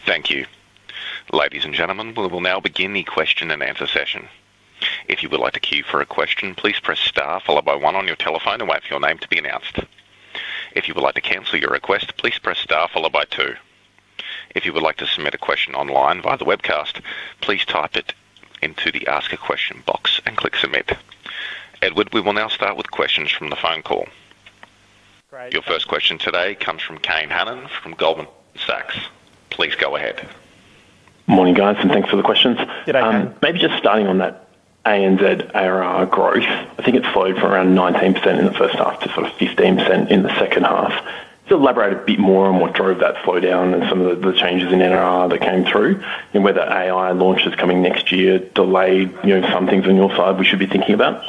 Thank you. Ladies and gentlemen, we will now begin the question-and-answer session. If you would like to queue for a question, please press star followed by one on your telephone and wait for your name to be announced. If you would like to cancel your request, please press star followed by two. If you would like to submit a question online via the webcast, please type it into the ask a question box and click submit. Edward, we will now start with questions from the phone call. Your first question today comes from Kane Hannan from Goldman Sachs. Please go ahead. Morning, guys, and thanks for the questions. Maybe just starting on that ANZ ARR growth, I think it flowed from around 19% in the first half to sort of 15% in the second half. Just elaborate a bit more on what drove that slowdown and some of the changes in NRR that came through and whether AI launches coming next year delayed some things on your side we should be thinking about?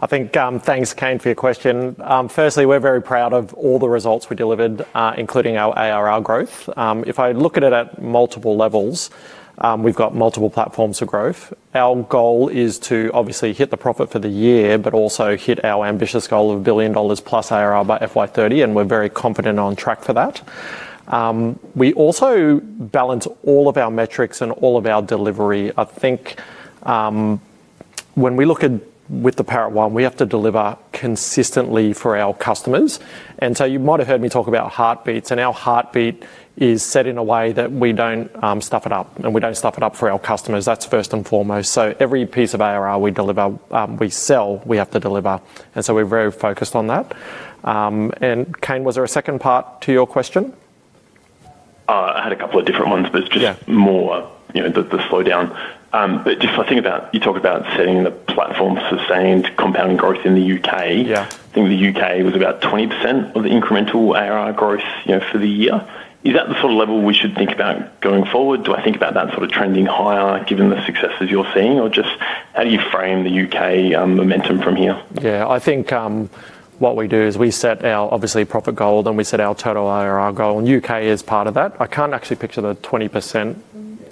I think thanks, Kane, for your question. Firstly, we're very proud of all the results we delivered, including our ARR growth. If I look at it at multiple levels, we've got multiple platforms for growth. Our goal is to obviously hit the profit for the year, but also hit our ambitious goal of a billion dollars plus ARR by FY 2030, and we're very confident on track for that. We also balance all of our metrics and all of our delivery. I think when we look at with the Power of One, we have to deliver consistently for our customers. You might have heard me talk about heartbeats, and our heartbeat is set in a way that we do not stuff it up, and we do not stuff it up for our customers. That is first and foremost. Every piece of ARR we deliver, we sell, we have to deliver. We are very focused on that. Kane, was there a second part to your question? I had a couple of different ones, but it is just more the slowdown. I think about you talk about setting the platform for sustained compounding growth in the U.K. I think the U.K. was about 20% of the incremental ARR growth for the year. Is that the sort of level we should think about going forward? Do I think about that sort of trending higher given the successes you are seeing, or just how do you frame the U.K. momentum from here? Yeah, I think what we do is we set our obviously profit goal, then we set our total ARR goal. And U.K. is part of that. I can't actually picture the 20%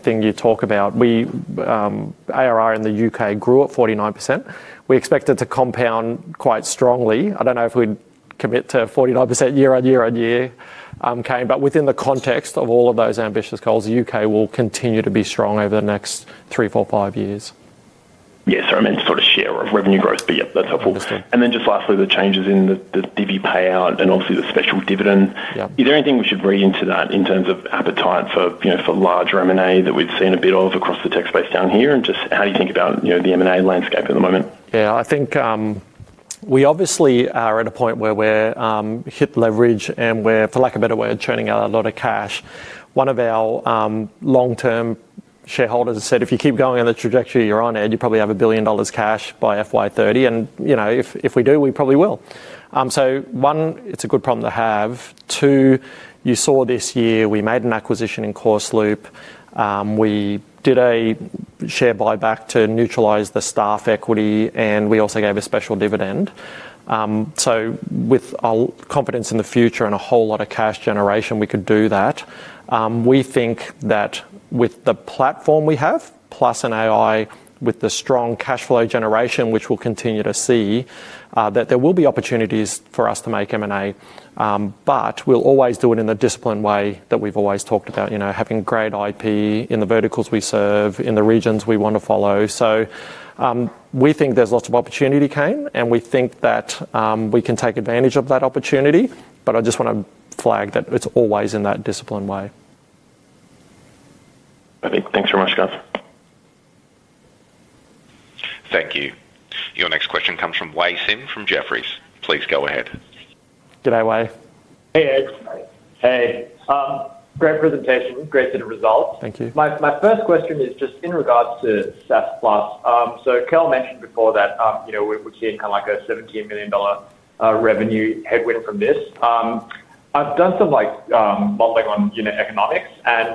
thing you talk about. ARR in the U.K. grew at 49%. We expect it to compound quite strongly. I don't know if we'd commit to 49% year-on-year on year, Kane, but within the context of all of those ambitious goals, the U.K. will continue to be strong over the next three, four, five years. Yes, I mean, sort of share of revenue growth, that's helpful. And then just lastly, the changes in the divvy payout and obviously the special dividend. Is there anything we should read into that in terms of appetite for large M&A that we've seen a bit of across the tech space down here? Just how do you think about the M&A landscape at the moment? Yeah, I think we obviously are at a point where we've hit leverage and we're, for lack of a better word, churning out a lot of cash. One of our long-term shareholders said, "If you keep going on the trajectory you're on, Ed, you probably have 1 billion dollars cash by FY 2030." If we do, we probably will. One, it's a good problem to have. Two, you saw this year we made an acquisition in CourseLoop. We did a share buyback to neutralize the staff equity, and we also gave a special dividend. With confidence in the future and a whole lot of cash generation, we could do that. We think that with the platform we have, Plus and AI with the strong cash flow generation, which we'll continue to see, that there will be opportunities for us to make M&A. We will always do it in the disciplined way that we've always talked about, having great IP in the verticals we serve, in the regions we want to follow. We think there's lots of opportunity, Kane, and we think that we can take advantage of that opportunity. I just want to flag that it's always in that disciplined way. Thanks very much, guys. Thank you. Your next question comes from Wei Sim from Jefferies. Please go ahead. Good day, Wei. Hey, Ed. Hey. Great presentation. Great set of results. Thank you. My first question is just in regards to SaaS+. Kel mentioned before that we're seeing kind of like an 17 million dollar revenue headwind from this. I've done some modeling on economics, and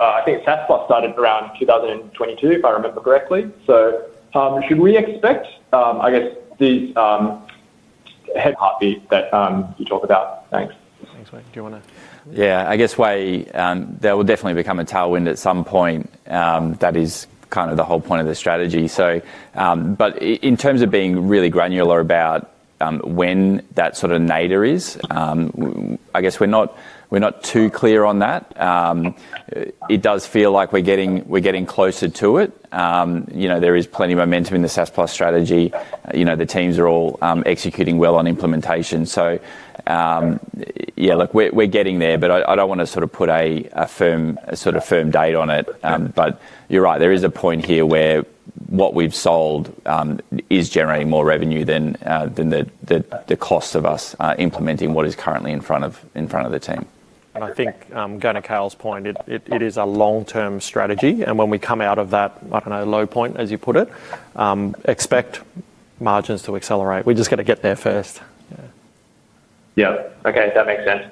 I think SaaS+ started around 2022, if I remember correctly. Should we expect, I guess, these head heartbeat that you talked about? Thanks. Thanks, Wei. Do you want to? Yeah, I guess, Wei, there will definitely become a tailwind at some point. That is kind of the whole point of the strategy. In terms of being really granular about when that sort of nadir is, I guess we're not too clear on that. It does feel like we're getting closer to it. There is plenty of momentum in the SaaS+ strategy. The teams are all executing well on implementation. Yeah, look, we're getting there, but I don't want to sort of put a firm date on it. You're right, there is a point here where what we've sold is generating more revenue than the cost of us implementing what is currently in front of the team. I think going to Cal's point, it is a long-term strategy. When we come out of that, I don't know, low point, as you put it, expect margins to accelerate. We just got to get there first. Yeah. Okay, that makes sense.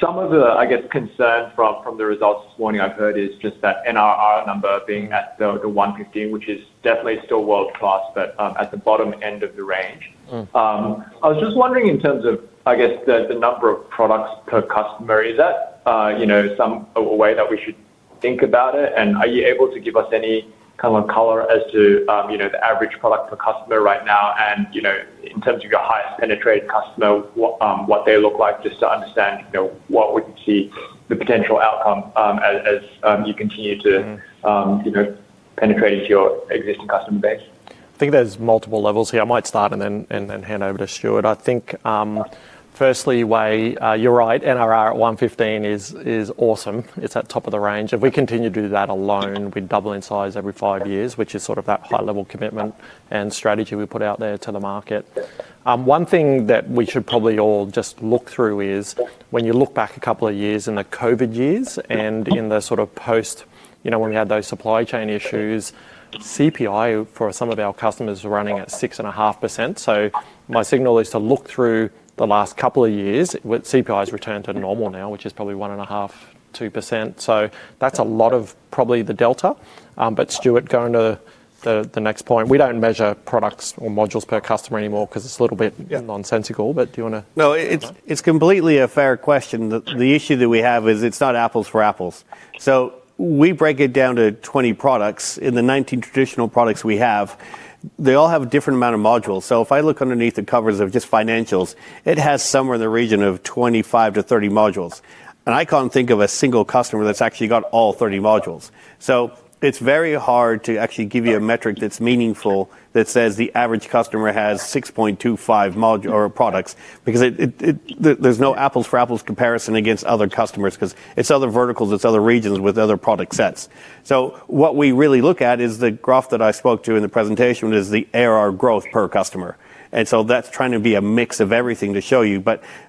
Some of the, I guess, concern from the results this morning I've heard is just that NRR number being at the 115, which is definitely still world-class, but at the bottom end of the range. I was just wondering in terms of, I guess, the number of products per customer. Is that a way that we should think about it? Are you able to give us any kind of color as to the average product per customer right now? In terms of your highest penetrated customer, what they look like, just to understand what would be the potential outcome as you continue to penetrate into your existing customer base? I think there are multiple levels here. I might start and then hand over to Stuart. I think firstly, Wei, you are right. NRR at 115% is awesome. It is at the top of the range. If we continue to do that alone, we double in size every five years, which is sort of that high-level commitment and strategy we put out there to the market. One thing that we should probably all just look through is when you look back a couple of years in the COVID years and in the sort of post, when we had those supply chain issues, CPI for some of our customers is running at 6.5%. My signal is to look through the last couple of years. CPI has returned to normal now, which is probably 1.5%-2%. That is a lot of probably the delta. Stuart, going to the next point, we do not measure products or modules per customer anymore because it is a little bit nonsensical. Do you want to? No, it is completely a fair question. The issue that we have is it is not apples for apples. We break it down to 20 products. In the 19 traditional products we have, they all have a different amount of modules. If I look underneath the covers of just financials, it has somewhere in the region of 25-30 modules. I cannot think of a single customer that has actually got all 30 modules. It is very hard to actually give you a metric that is meaningful that says the average customer has 6.25 products because there is no apples for apples comparison against other customers because it is other verticals, it is other regions with other product sets. What we really look at is the graph that I spoke to in the presentation, which is the ARR growth per customer. That is trying to be a mix of everything to show you.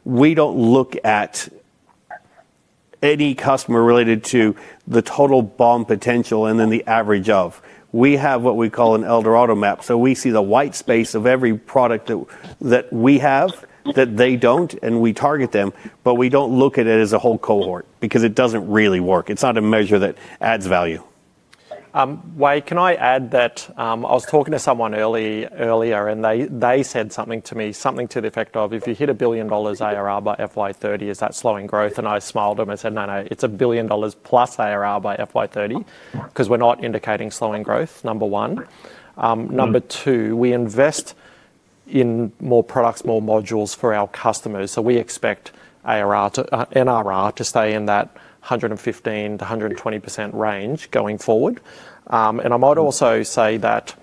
We do not look at any customer related to the total bomb potential and then the average of. We have what we call an Eldorado map. We see the white space of every product that we have that they do not, and we target them. We do not look at it as a whole cohort because it does not really work. It is not a measure that adds value. Waye, can I add that I was talking to someone earlier, and they said something to me, something to the effect of, "If you hit $1 billion ARR by FY 2030, is that slowing growth?" I smiled at them and said, "No, no, it is $1 billion+ ARR by FY 2030 because we are not indicating slowing growth, number one." Number two, we invest in more products, more modules for our customers. We expect NRR to stay in that 115%-120% range going forward. I might also say that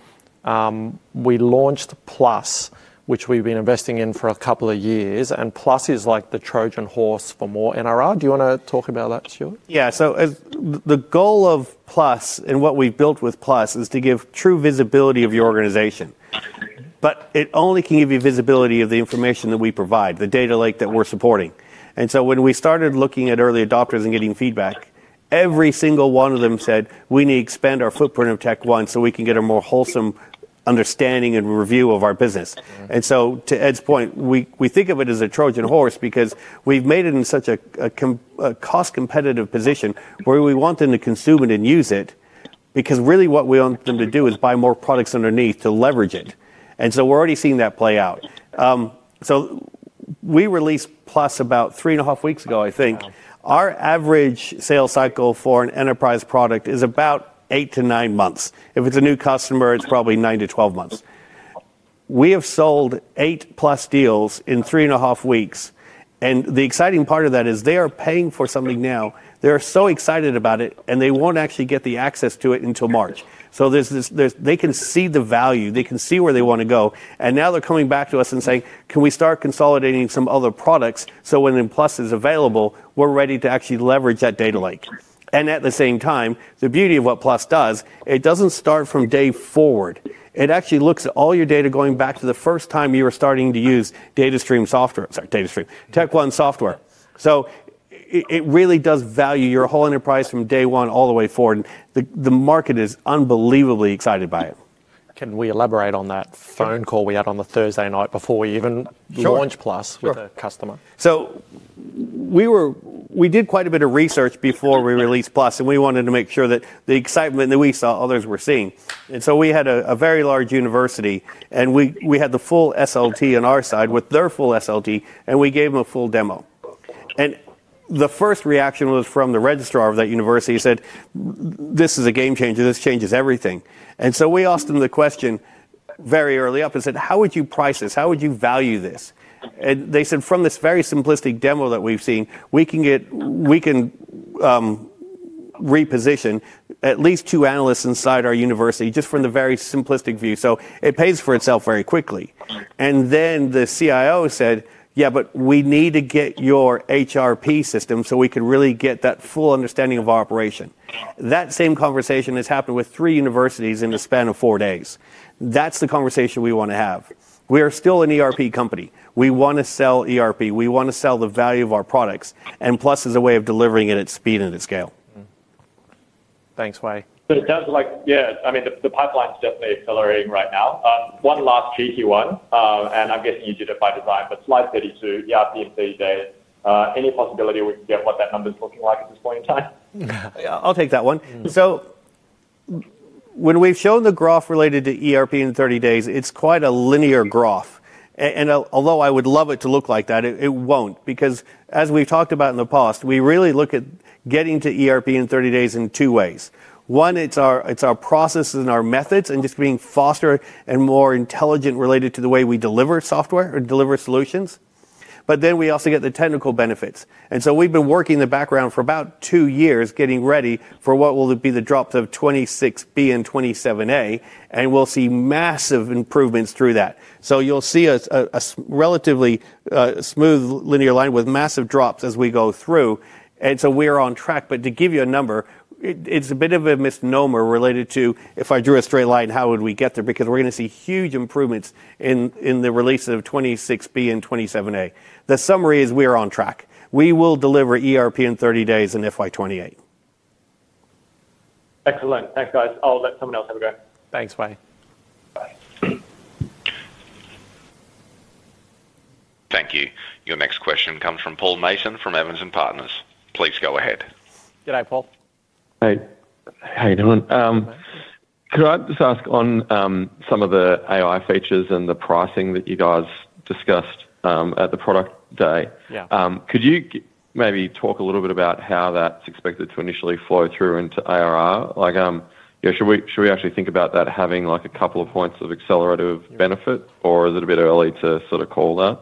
we launched Plus, which we've been investing in for a couple of years, and Plus is like the Trojan horse for more NRR. Do you want to talk about that, Stuart? Yeah. The goal of Plus and what we've built with Plus is to give true visibility of your organization. It only can give you visibility of the information that we provide, the data lake that we're supporting. When we started looking at early adopters and getting feedback, every single one of them said, "We need to expand our footprint of TechOne so we can get a more wholesome understanding and review of our business." To Ed's point, we think of it as a Trojan horse because we have made it in such a cost-competitive position where we want them to consume it and use it because really what we want them to do is buy more products underneath to leverage it. We are already seeing that play out. We released Plus about three and a half weeks ago, I think. Our average sales cycle for an enterprise product is about eight to nine months. If it is a new customer, it is probably nine to twelve months. We have sold eight Plus deals in three and a half weeks. The exciting part of that is they are paying for something now. They're so excited about it, and they won't actually get the access to it until March. They can see the value. They can see where they want to go. Now they're coming back to us and saying, "Can we start consolidating some other products so when Plus is available, we're ready to actually leverage that data lake?" At the same time, the beauty of what Plus does, it doesn't start from day forward. It actually looks at all your data going back to the first time you were starting to use TechOne software. So it really does value your whole enterprise from day one all the way forward. The market is unbelievably excited by it. Can we elaborate on that phone call we had on the Thursday night before we even launched Plus with a customer? We did quite a bit of research before we released Plus, and we wanted to make sure that the excitement that we saw, others were seeing. We had a very large university, and we had the full SLT on our side with their full SLT, and we gave them a full demo. The first reaction was from the registrar of that university. He said, "This is a game changer. This changes everything." We asked him the question very early up and said, "How would you price this? How would you value this?" And they said, "From this very simplistic demo that we've seen, we can reposition at least two analysts inside our university just from the very simplistic view." It pays for itself very quickly. The CIO said, "Yeah, but we need to get your HRP system so we can really get that full understanding of our operation." That same conversation has happened with three universities in the span of four days. That is the conversation we want to have. We are still an ERP company. We want to sell ERP. We want to sell the value of our products. Plus is a way of delivering it at speed and at scale. Thanks, Waye. Yeah, I mean, the pipeline is definitely accelerating right now. One last cheeky one, and I'm guessing you did it by design, but slide 32, ERP in 30 days. Any possibility we can get what that number is looking like at this point in time? I'll take that one. When we've shown the graph related to ERP in 30 days, it's quite a linear graph. Although I would love it to look like that, it won't. As we've talked about in the past, we really look at getting to ERP in 30 days in two ways. One, it's our processes and our methods and just being faster and more intelligent related to the way we deliver software or deliver solutions. We also get the technical benefits. We've been working in the background for about two years getting ready for what will be the drops of 26B and 27A, and we'll see massive improvements through that. You'll see a relatively smooth linear line with massive drops as we go through. We are on track. To give you a number, it's a bit of a misnomer related to if I drew a straight line, how would we get there? We are going to see huge improvements in the release of 26B and 27A. The summary is we are on track. We will deliver ERP in 30 days in FY 2028. Excellent. Thanks, guys. I'll let someone else have a go. Thanks, Wei. Thank you. Your next question comes from Paul Mason from Evans & Partners. Please go ahead. Good day, Paul. Hey. How are you doing? Could I just ask on some of the AI features and the pricing that you guys discussed at the product day? Could you maybe talk a little bit about how that's expected to initially flow through into ARR? Should we actually think about that having a couple of points of accelerative benefit, or is it a bit early to sort of call that?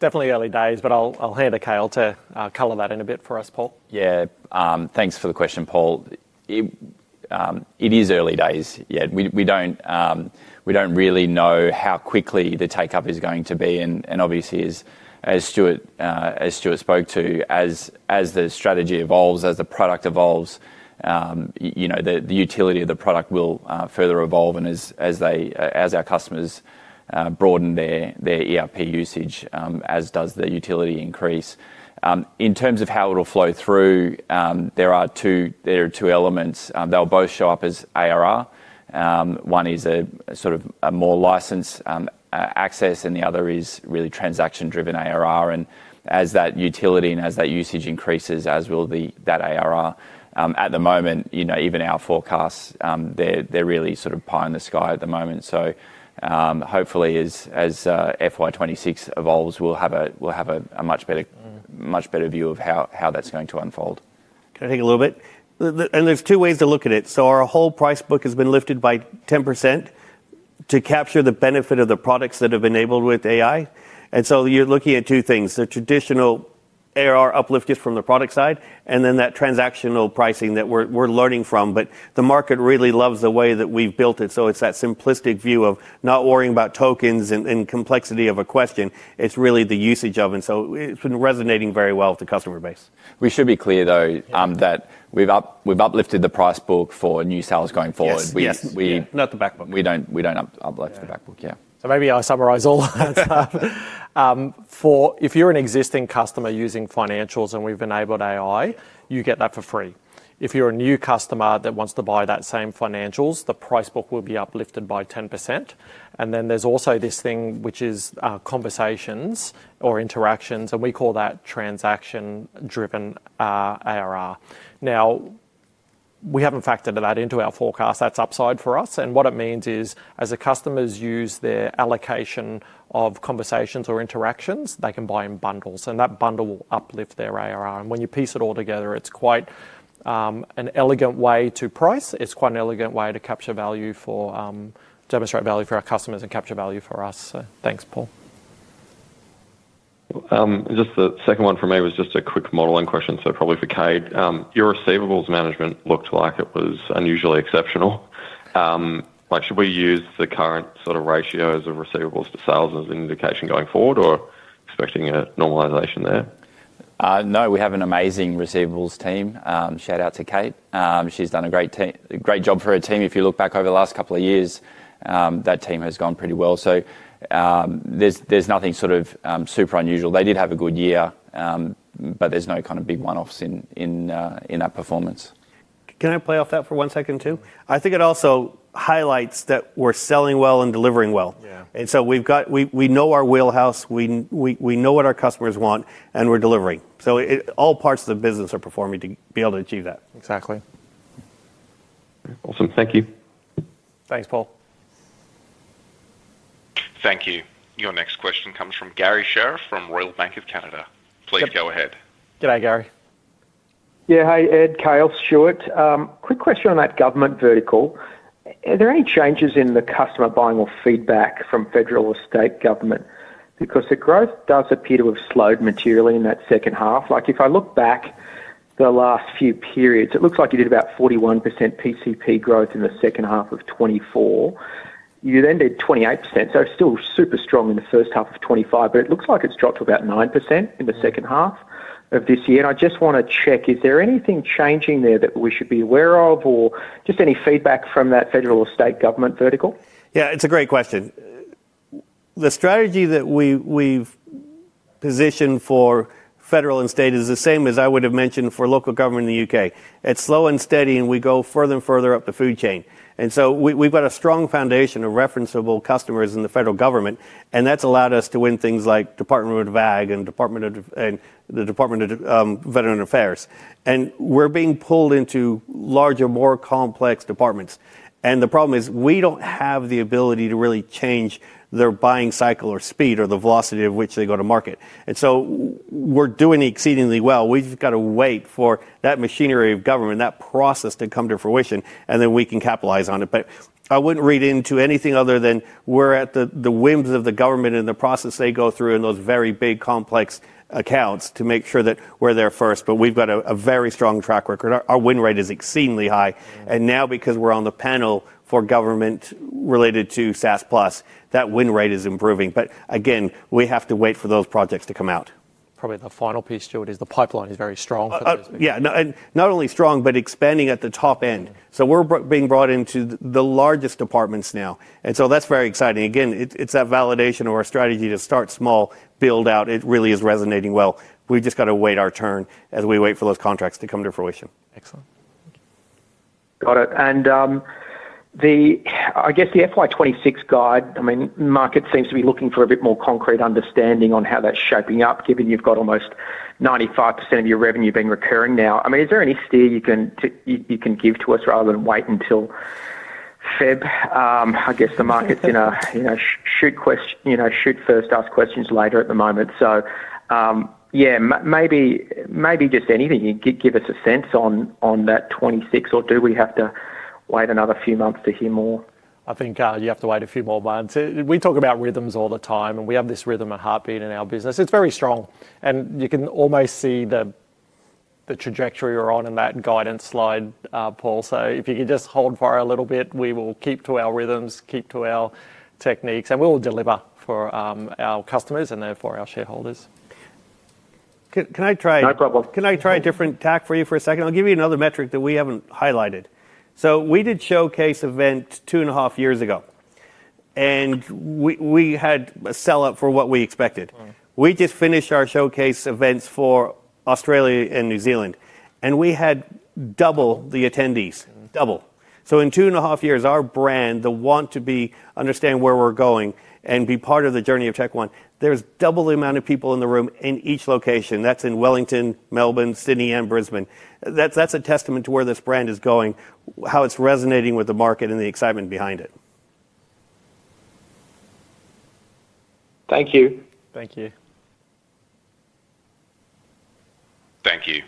Definitely early days, but I'll hand it to Cale to color that in a bit for us, Paul. Yeah. Thanks for the question, Paul. It is early days. Yeah. We don't really know how quickly the take-up is going to be. Obviously, as Stuart spoke to, as the strategy evolves, as the product evolves, the utility of the product will further evolve. As our customers broaden their ERP usage, as does the utility increase. In terms of how it'll flow through, there are two elements. They'll both show up as ARR. One is sort of a more license access, and the other is really transaction-driven ARR. As that utility and as that usage increases, as will that ARR. At the moment, even our forecasts, they're really sort of pie in the sky at the moment. Hopefully, as FY 2026 evolves, we'll have a much better view of how that's going to unfold. Can I take a little bit? There are two ways to look at it. Our whole price book has been lifted by 10% to capture the benefit of the products that have enabled with AI. You're looking at two things: the traditional ARR uplift just from the product side, and then that transactional pricing that we're learning from. The market really loves the way that we've built it. It is that simplistic view of not worrying about tokens and complexity of a question. It is really the usage of it. It has been resonating very well with the customer base. We should be clear, though, that we've uplifted the price book for new sales going forward. Yes. Not the backbook. We don't uplift the backbook, yeah. Maybe I'll summarize all that. If you're an existing customer using financials and we've enabled AI, you get that for free. If you're a new customer that wants to buy that same financials, the price book will be uplifted by 10%. There is also this thing which is conversations or interactions, and we call that transaction-driven ARR. We haven't factored that into our forecast. That's upside for us. What it means is as the customers use their allocation of conversations or interactions, they can buy in bundles. That bundle will uplift their ARR. When you piece it all together, it's quite an elegant way to price. It's quite an elegant way to capture value for, demonstrate value for our customers and capture value for us. Thanks, Paul. Just the second one for me was just a quick modeling question, so probably for Cale. Your receivables management looked like it was unusually exceptional. Should we use the current sort of ratios of receivables to sales as an indication going forward or expecting a normalization there? No, we have an amazing receivables team. Shout out to Cale. He's done a great job for his team. If you look back over the last couple of years, that team has gone pretty well. There's nothing sort of super unusual. They did have a good year, but there's no kind of big one-offs in that performance. Can I play off that for one second too? I think it also highlights that we're selling well and delivering well. We know our wheelhouse. We know what our customers want, and we're delivering. All parts of the business are performing to be able to achieve that. Exactly. Awesome. Thank you. Thanks, Paul. Thank you. Your next question comes from Gary Sheriff from Royal Bank of Canada. Please go ahead. Good day, Gary. Yeah. Hi, Ed, Cale, Stuart. Quick question on that government vertical. Are there any changes in the customer buying or feedback from federal or state government? Because the growth does appear to have slowed materially in that second half. If I look back the last few periods, it looks like you did about 41% PCP growth in the second half of 2024. You then did 28%. It is still super strong in the first half of 2025, but it looks like it has dropped to about 9% in the second half of this year. I just want to check, is there anything changing there that we should be aware of or just any feedback from that federal or state government vertical? Yeah, it's a great question. The strategy that we've positioned for federal and state is the same as I would have mentioned for local government in the U.K. It's slow and steady, and we go further and further up the food chain. We have a strong foundation of referenceable customers in the federal government, and that's allowed us to win things like Department of Ag and the Department of Veteran Affairs. We're being pulled into larger, more complex departments. The problem is we don't have the ability to realy change their buying cycle or speed or the velocity of which they go to market. We're doing exceedingly well. have just got to wait for that machinery of government, that process to come to fruition, and then we can capitalize on it. I would not read into anything other than we are at the whims of the government and the process they go through in those very big complex accounts to make sure that we are there first. We have got a very strong track record. Our win rate is exceedingly high. Now, because we are on the panel for government related to SaaS+, that win rate is improving. Again, we have to wait for those projects to come out. Probably the final piece, Stuart, is the pipeline is very strong for this. Yeah. Not only strong, but expanding at the top end. We are being brought into the largest departments now. That is very exciting. Again, it is that validation of our strategy to start small, build out. It really is resonating well. We've just got to wait our turn as we wait for those contracts to come to fruition. Excellent. Got it. I guess the FY 2026 guide, I mean, market seems to be looking for a bit more concrete understanding on how that's shaping up, given you've got almost 95% of your revenue being recurring now. I mean, is there any steer you can give to us rather than wait until February? I guess the market's in a shoot first, ask questions later at the moment. Yeah, maybe just anything. Give us a sense on that 2026, or do we have to wait another few months to hear more? I think you have to wait a few more months. We talk about rhythms all the time, and we have this rhythm and heartbeat in our business. It's very strong. You can almost see the trajectory we're on in that guidance slide, Paul. If you can just hold for a little bit, we will keep to our rhythms, keep to our techniques, and we'll deliver for our customers and therefore our shareholders. Can I try a different tack for you for a second? I'll give you another metric that we haven't highlighted. We did showcase event two and a half years ago, and we had a sell-up for what we expected. We just finished our showcase events for Australia and New Zealand, and we had double the attendees, double. In two and a half years, our brand, the want to understand where we're going and be part of the journey of TechOne, there's double the amount of people in the room in each location. That's in Wellington, Melbourne, Sydney, and Brisbane. That's a testament to where this brand is going, how it's resonating with the market and the excitement behind it. Thank you. Thank you. Thank you.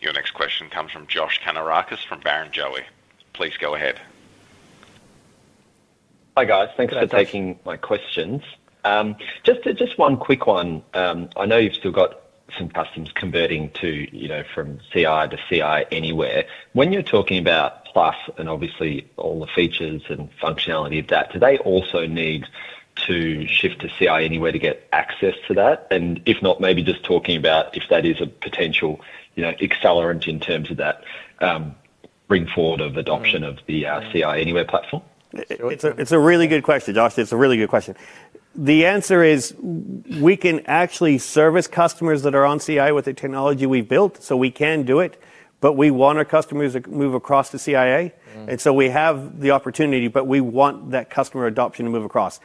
Your next question comes from Josh Kannourakis from Barrenjoey. Please go ahead. Hi, guys. Thanks for taking my questions. Just one quick one. I know you've still got some customers converting from CI to CI Anywhere. When you're talking about Plus and obviously all the features and functionality of that, do they also need to shift to CI Anywhere to get access to that? If not, maybe just talking about if that is a potential accelerant in terms of that bring forward of adoption of the CI Anywhere platform? It's a really good question, Josh. It's a really good question. The answer is we can actually service customers that are on CI with the technology we've built. We can do it, but we want our customers to move across to CIA. We have the opportunity, but we want that customer adoption to move across.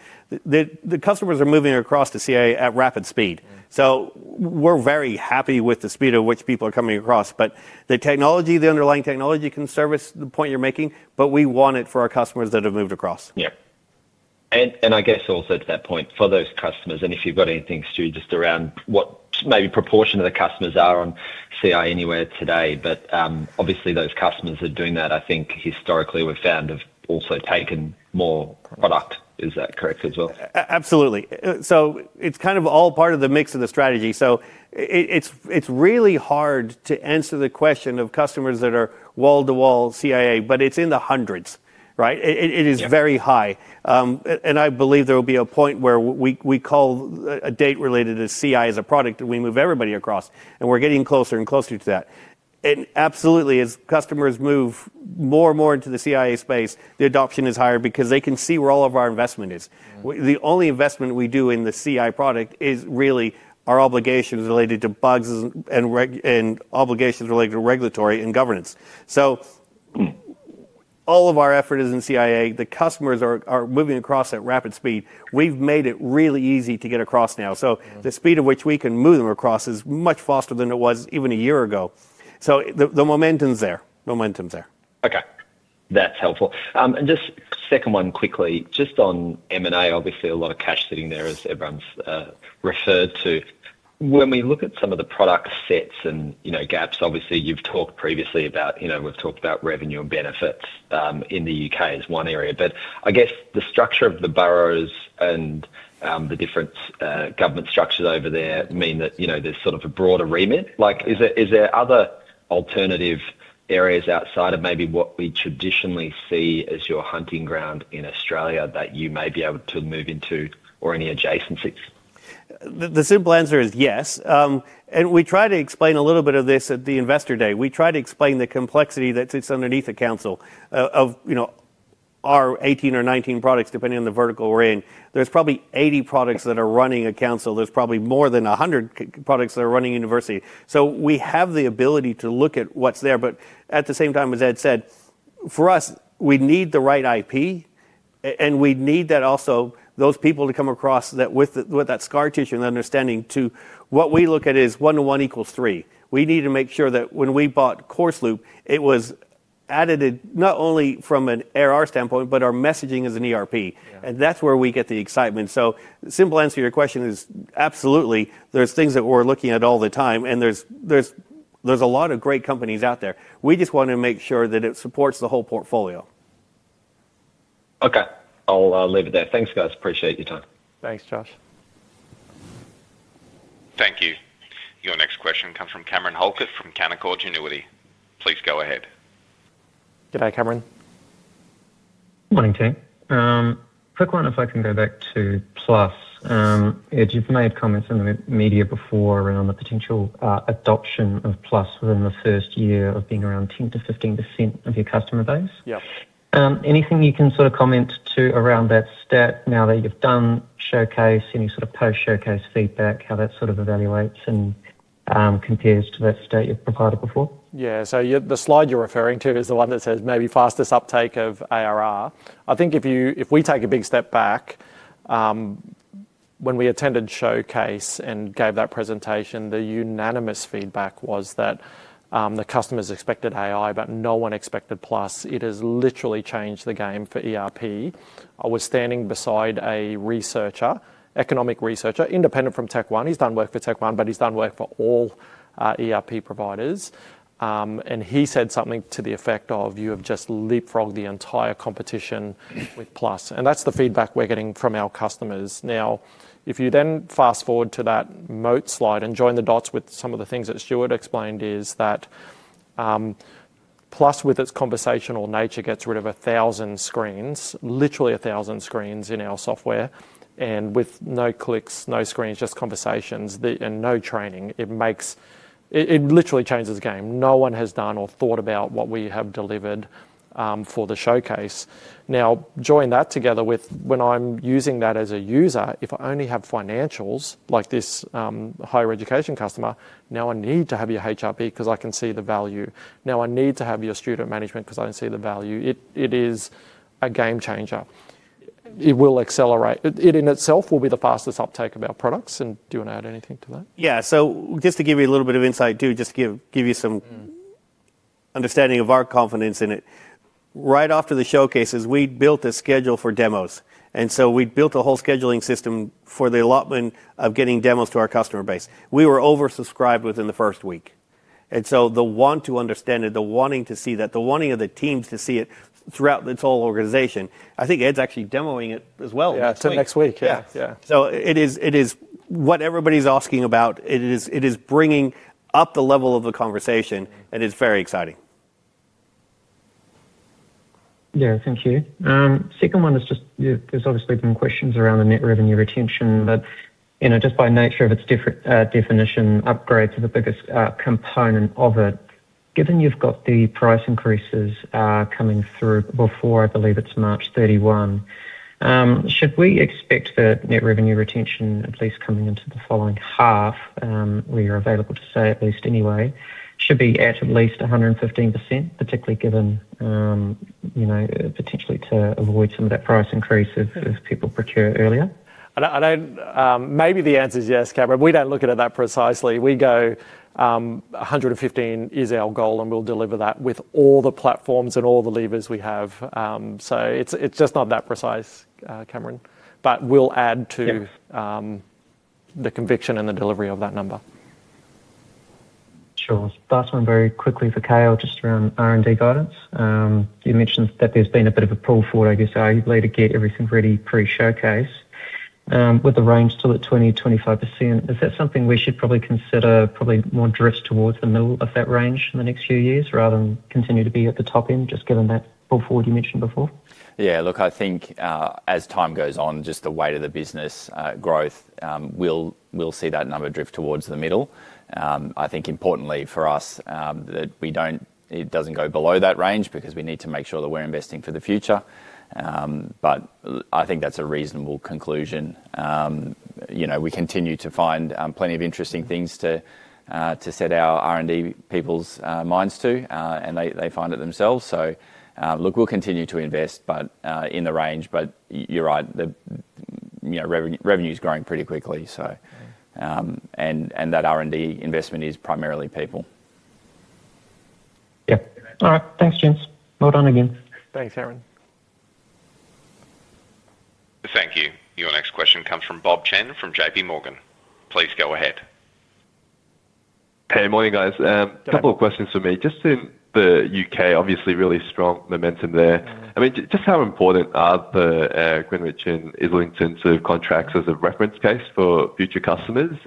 The customers are moving across to CIA at rapid speed. We are very happy with the speed at which people are coming across. The technology, the underlying technology, can service the point you are making, but we want it for our customers that have moved across. Yeah. I guess also to that point, for those customers, and if you have anything, Stuart, just around what maybe proportion of the customers are on CIA anywhere today. Obviously, those customers are doing that. I think historically, we have found have also taken more product. Is that correct as well? Absolutely. It is kind of all part of the mix of the strategy. It is really hard to answer the question of customers that are wall-to-wall CIA, but it is in the hundreds, right? It is very high. I believe there will be a point where we call a date related to CIA as a product and we move everybody across. We are getting closer and closer to that. Absolutely, as customers move more and more into the CIA space, the adoption is higher because they can see where all of our investment is. The only investment we do in the CI product is really our obligations related to bugs and obligations related to regulatory and governance. All of our effort is in CIA. The customers are moving across at rapid speed. We have made it really easy to get across now. The speed at which we can move them across is much faster than it was even a year ago. The momentum's there. Momentum's there. Okay. That's helpful. Just second one quickly, just on M&A, obviously, a lot of cash sitting there as everyone's referred to. When we look at some of the product sets and gaps, obviously, you've talked previously about we've talked about revenue and benefits in the U.K. as one area. I guess the structure of the boroughs and the different government structures over there mean that there's sort of a broader remit. Is there other alternative areas outside of maybe what we traditionally see as your hunting ground in Australia that you may be able to move into or any adjacencies? The simple answer is yes. We try to explain a little bit of this at the investor day. We try to explain the complexity that sits underneath the council of our 18 or 19 products, depending on the vertical we're in. There's probably 80 products that are running a council. There's probably more than 100 products that are running a university. We have the ability to look at what's there. At the same time, as Ed said, for us, we need the right IP, and we need also those people to come across with that scar tissue and understanding. What we look at is one to one equals three. We need to make sure that when we bought CourseLoop, it was added not only from an ARR standpoint, but our messaging is an ERP. That's where we get the excitement. The simple answer to your question is absolutely. There are things that we're looking at all the time, and there are a lot of great companies out there. We just want to make sure that it supports the whole portfolio. Okay. I'll leave it there. Thanks, guys. Appreciate your time. Thanks, Josh. Thank you. Your next question comes from Cameron Halkett from Canaccord Genuity. Please go ahead. G'day, Cameron. Morning, team. Quick one reflecting going back to Plus. Ed, you've made comments in the media before around the potential adoption of Plus within the first year of being around 10%-15% of your customer base. Anything you can sort of comment to around that stat now that you've done showcase, any sort of post-showcase feedback, how that sort of evaluates and compares to that stat you've provided before? Yeah. So the slide you're referring to is the one that says maybe fastest uptake of ARR. I think if we take a big step back, when we attended showcase and gave that presentation, the unanimous feedback was that the customers expected AI, but no one expected Plus. It has literally changed the game for ERP. I was standing beside a researcher, economic researcher, independent from TechOne. He's done work for TechOne, but he's done work for all ERP providers. He said something to the effect of, "You have just leapfrogged the entire competition with Plus." That's the feedback we're getting from our customers. Now, if you then fast forward to that Moat slide and join the dots with some of the things that Stuart explained, Plus, with its conversational nature, gets rid of a thousand screens, literally a thousand screens in our software, and with no clicks, no screens, just conversations and no training. It literally changes the game. No one has done or thought about what we have delivered for the showcase. Now, join that together with when I'm using that as a user, if I only have financials like this higher education customer, now I need to have your HRP because I can see the value. Now I need to have your student management because I can see the value. It is a game changer. It will accelerate. It in itself will be the fastest uptake of our products. Do you want to add anything to that? Yeah. Just to give you a little bit of insight too, just to give you some understanding of our confidence in it. Right after the showcases, we built a schedule for demos. We built a whole scheduling system for the allotment of getting demos to our customer base. We were oversubscribed within the first week. The want to understand it, the wanting to see that, the wanting of the teams to see it throughout this whole organization, I think Ed's actually demoing it as well. Yeah, it's next week. Yeah. It is what everybody's asking about. It is bringing up the level of the conversation, and it's very exciting. Yeah, thank you. Second one is just there's obviously been questions around the net revenue retention, but just by nature of its definition, upgrades are the biggest component of it. Given you've got the price increases coming through before, I believe it's March 31, should we expect that net revenue retention, at least coming into the following half, we are available to say at least anyway, should be at at least 115%, particularly given potentially to avoid some of that price increase if people procure earlier? Maybe the answer is yes, Cameron. We do not look at it that precisely. We go 115% is our goal, and we will deliver that with all the platforms and all the levers we have. It is just not that precise, Cameron. We will add to the conviction and the delivery of that number. Sure. Last one very quickly for Cale, just around R&D guidance. You mentioned that there has been a bit of a pull forward, I guess, so you would later get everything ready pre-showcase with a range still at 20%-25%. Is that something we should probably consider, probably more drift towards the middle of that range in the next few years rather than continue to be at the top end, just given that pull forward you mentioned before? Yeah. Look, I think as time goes on, just the weight of the business growth, we will see that number drift towards the middle. I think importantly for us that it does not go below that range because we need to make sure that we are investing for the future. I think that is a reasonable conclusion. We continue to find plenty of interesting things to set our R&D people's minds to, and they find it themselves. Look, we will continue to invest, but in the range. You are right, revenue is growing pretty quickly, so. That R&D investment is primarily people. Yeah. All right. Thanks, team. Well done again. Thanks, Cameron. Thank you. Your next question comes from Bob Chen from JPMorgan. Please go ahead. Hey, morning, guys. A couple of questions for me. Just in the U.K., obviously really strong momentum there. I mean, just how important are the Greenwich and Islington sort of contracts as a reference case for future customers?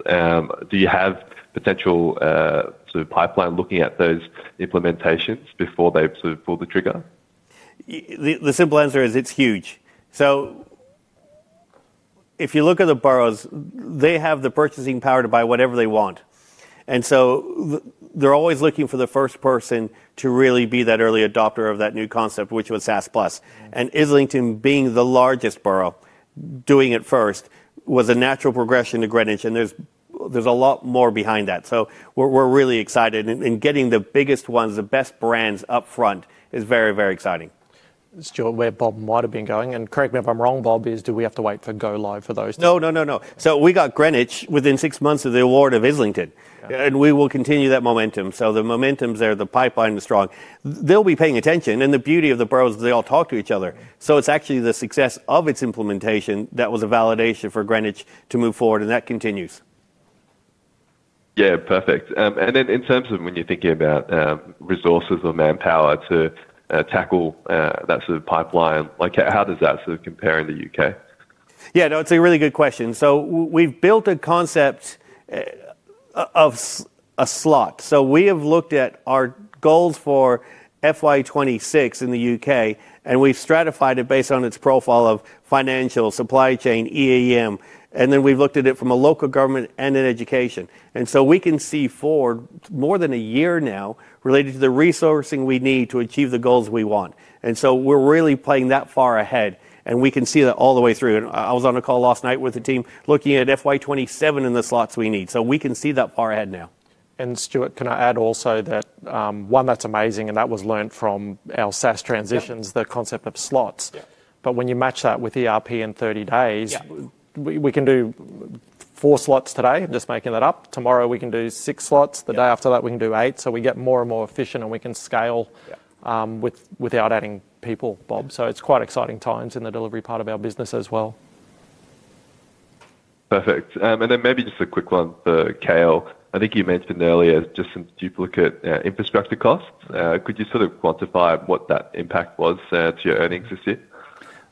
Do you have potential sort of pipeline looking at those implementations before they sort of pull the trigger? The simple answer is it's huge. If you look at the boroughs, they have the purchasing power to buy whatever they want. They are always looking for the first person to really be that early adopter of that new concept, which was SaaS+. Islington, being the largest borough, doing it first was a natural progression to Greenwich, and there is a lot more behind that. We are really excited, and getting the biggest ones, the best brands upfront is very, very exciting. Stuart, where Bob might have been going, and correct me if I am wrong, Bob, is do we have to wait for Go Live for those? No, no, no, no. We got Greenwich within six months of the award of Islington, and we will continue that momentum. The momentum's there, the pipeline is strong. They'll be paying attention, and the beauty of the boroughs is they all talk to each other. It's actually the success of its implementation that was a validation for Greenwich to move forward, and that continues. Yeah, perfect. In terms of when you're thinking about resources or manpower to tackle that sort of pipeline, how does that sort of compare in the U.K.? Yeah, no, it's a really good question. We've built a concept of a slot. We have looked at our goals for FY 2026 in the U.K., and we've stratified it based on its profile of financial, supply chain, EAM. Then we've looked at it from a local government and an education. We can see forward more than a year now related to the resourcing we need to achieve the goals we want. We are really playing that far ahead, and we can see that all the way through. I was on a call last night with the team looking at FY 2027 and the slots we need. We can see that far ahead now. Stuart, can I add also that one thing that is amazing, and that was learned from our SaaS transitions, is the concept of slots. When you match that with ERP in 30 days, we can do four slots today, just making that up. Tomorrow, we can do six slots. The day after that, we can do eight. We get more and more efficient, and we can scale without adding people, Bob. It is quite exciting times in the delivery part of our business as well. Perfect. Maybe just a quick one, Cale. I think you mentioned earlier just some duplicate infrastructure costs. Could you sort of quantify what that impact was to your earnings this year?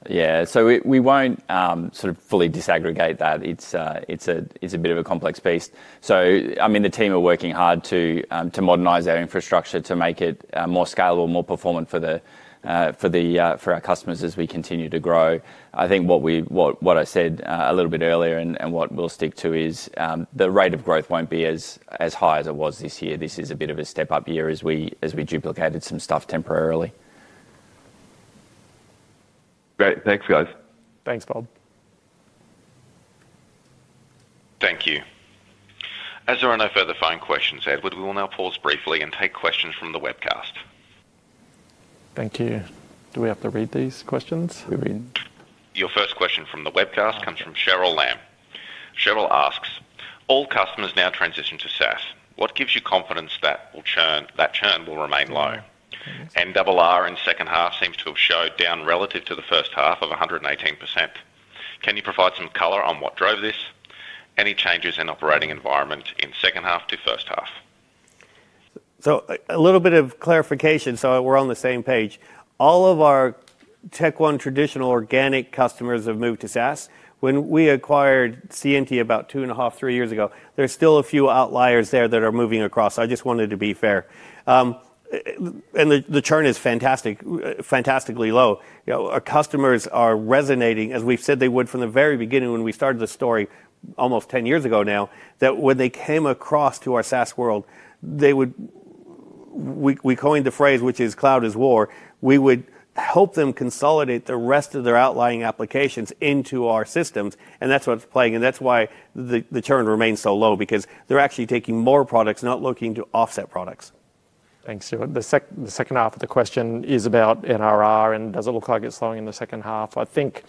Yeah. So we won't sort of fully disaggregate that. It's a bit of a complex piece. I mean, the team are working hard to modernize our infrastructure to make it more scalable, more performant for our customers as we continue to grow. I think what I said a little bit earlier and what we'll stick to is the rate of growth won't be as high as it was this year. This is a bit of a step-up year as we duplicated some stuff temporarily. Great. Thanks, guys. Thanks, Bob. Thank you. As there are no further phone questions, Ed, we will now pause briefly and take questions from the webcast. Thank you. Do we have to read these questions? Your first question from the webcast comes from Cheryl Lamb. Cheryl asks, "All customers now transition to SaaS. What gives you confidence that churn will remain low? NRR in second half seems to have showed down relative to the first half of 118%. Can you provide some color on what drove this? Any changes in operating environment in second half to first half?" A little bit of clarification so we're on the same page. All of our TechOne traditional organic customers have moved to SaaS. When we acquired C&T about two and a half, three years ago, there's still a few outliers there that are moving across. I just wanted to be fair. And the churn is fantastically low. Our customers are resonating, as we've said they would from the very beginning when we started the story almost 10 years ago now, that when they came across to our SaaS world, we coined the phrase, which is, "Cloud is war." We would help them consolidate the rest of their outlying applications into our systems, and that's what's playing. That is why the churn remains so low, because they're actually taking more products, not looking to offset products. Thanks, Stuart. The second half of the question is about NRR, and does it look like it's slowing in the second half? I think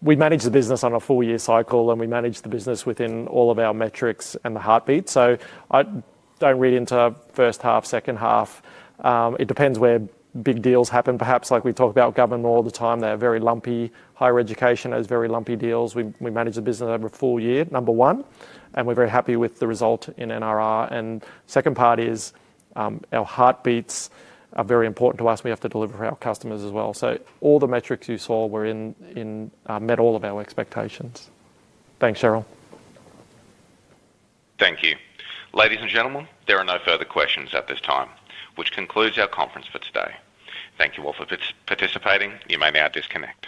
we manage the business on a four-year cycle, and we manage the business within all of our metrics and the heartbeat. I do not read into first half, second half. It depends where big deals happen, perhaps, like we talk about government all the time. They're very lumpy. Higher education has very lumpy deals. We manage the business over a full year, number one, and we're very happy with the result in NRR. The second part is our heartbeats are very important to us. We have to deliver for our customers as well. All the metrics you saw met all of our expectations. Thanks, Cheryl. Thank you. Ladies and gentlemen, there are no further questions at this time, which concludes our conference for today. Thank you all for participating. You may now disconnect.